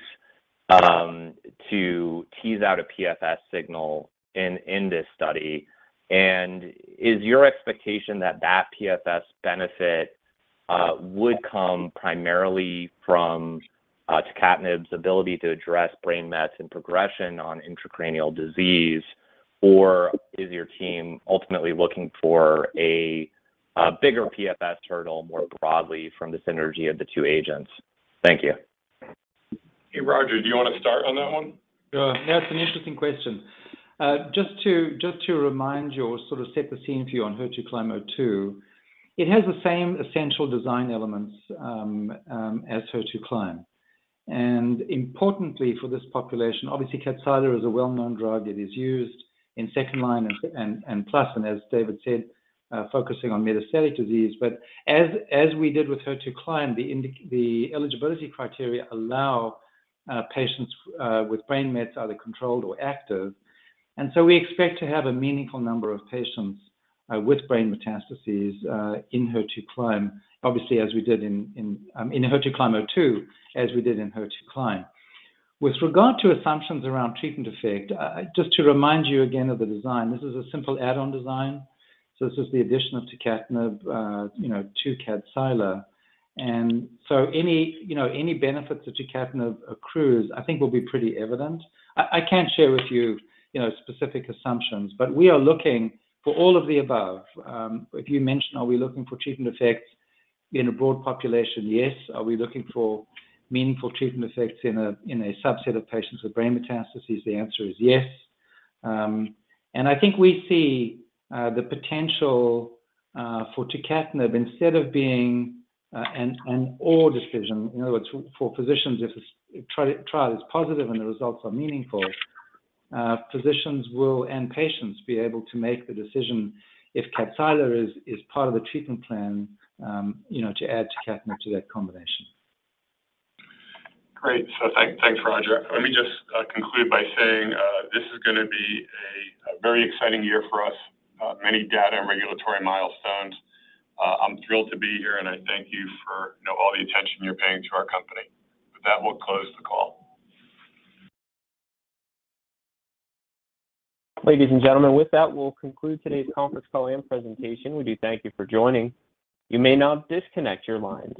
to tease out a PFS signal in this study? Is your expectation that that PFS benefit would come primarily from tucatinib's ability to address brain mets and progression on intracranial disease? Is your team ultimately looking for a bigger PFS hurdle more broadly from the synergy of the two agents? Thank you. Hey, Roger, do you wanna start on that one? Sure. That's an interesting question. just to remind you or sort of set the scene for you on HER2CLIMB-02, it has the same essential design elements as HER2CLIMB. Importantly for this population, obviously Kadcyla is a well-known drug. It is used in second line and plus, and as David said, focusing on metastatic disease. As we did with HER2CLIMB, the eligibility criteria allow patients with brain mets either controlled or active. So we expect to have a meaningful number of patients with brain metastases in HER2CLIMB. Obviously, as we did in HER2CLIMB-02, as we did in HER2CLIMB. With regard to assumptions around treatment effect, just to remind you again of the design, this is a simple add-on design. This is the addition of tucatinib, you know, to Kadcyla. Any, you know, any benefit that tucatinib accrues, I think will be pretty evident. I can't share with you know, specific assumptions, but we are looking for all of the above. If you mentioned, are we looking for treatment effects in a broad population? Yes. Are we looking for meaningful treatment effects in a subset of patients with brain metastases? The answer is yes. I think we see the potential for tucatinib, instead of being an or decision. In other words, for physicians, if this trial is positive and the results are meaningful, physicians will, and patients, be able to make the decision if Kadcyla is part of the treatment plan, you know, to add tucatinib to that combination. Great. Thanks, Roger. Let me just conclude by saying this is gonna be a very exciting year for us. Many data and regulatory milestones. I'm thrilled to be here, and I thank you for, you know, all the attention you're paying to our company. With that, we'll close the call. Ladies and gentlemen, with that, we'll conclude today's conference call and presentation. We do thank you for joining. You may now disconnect your lines.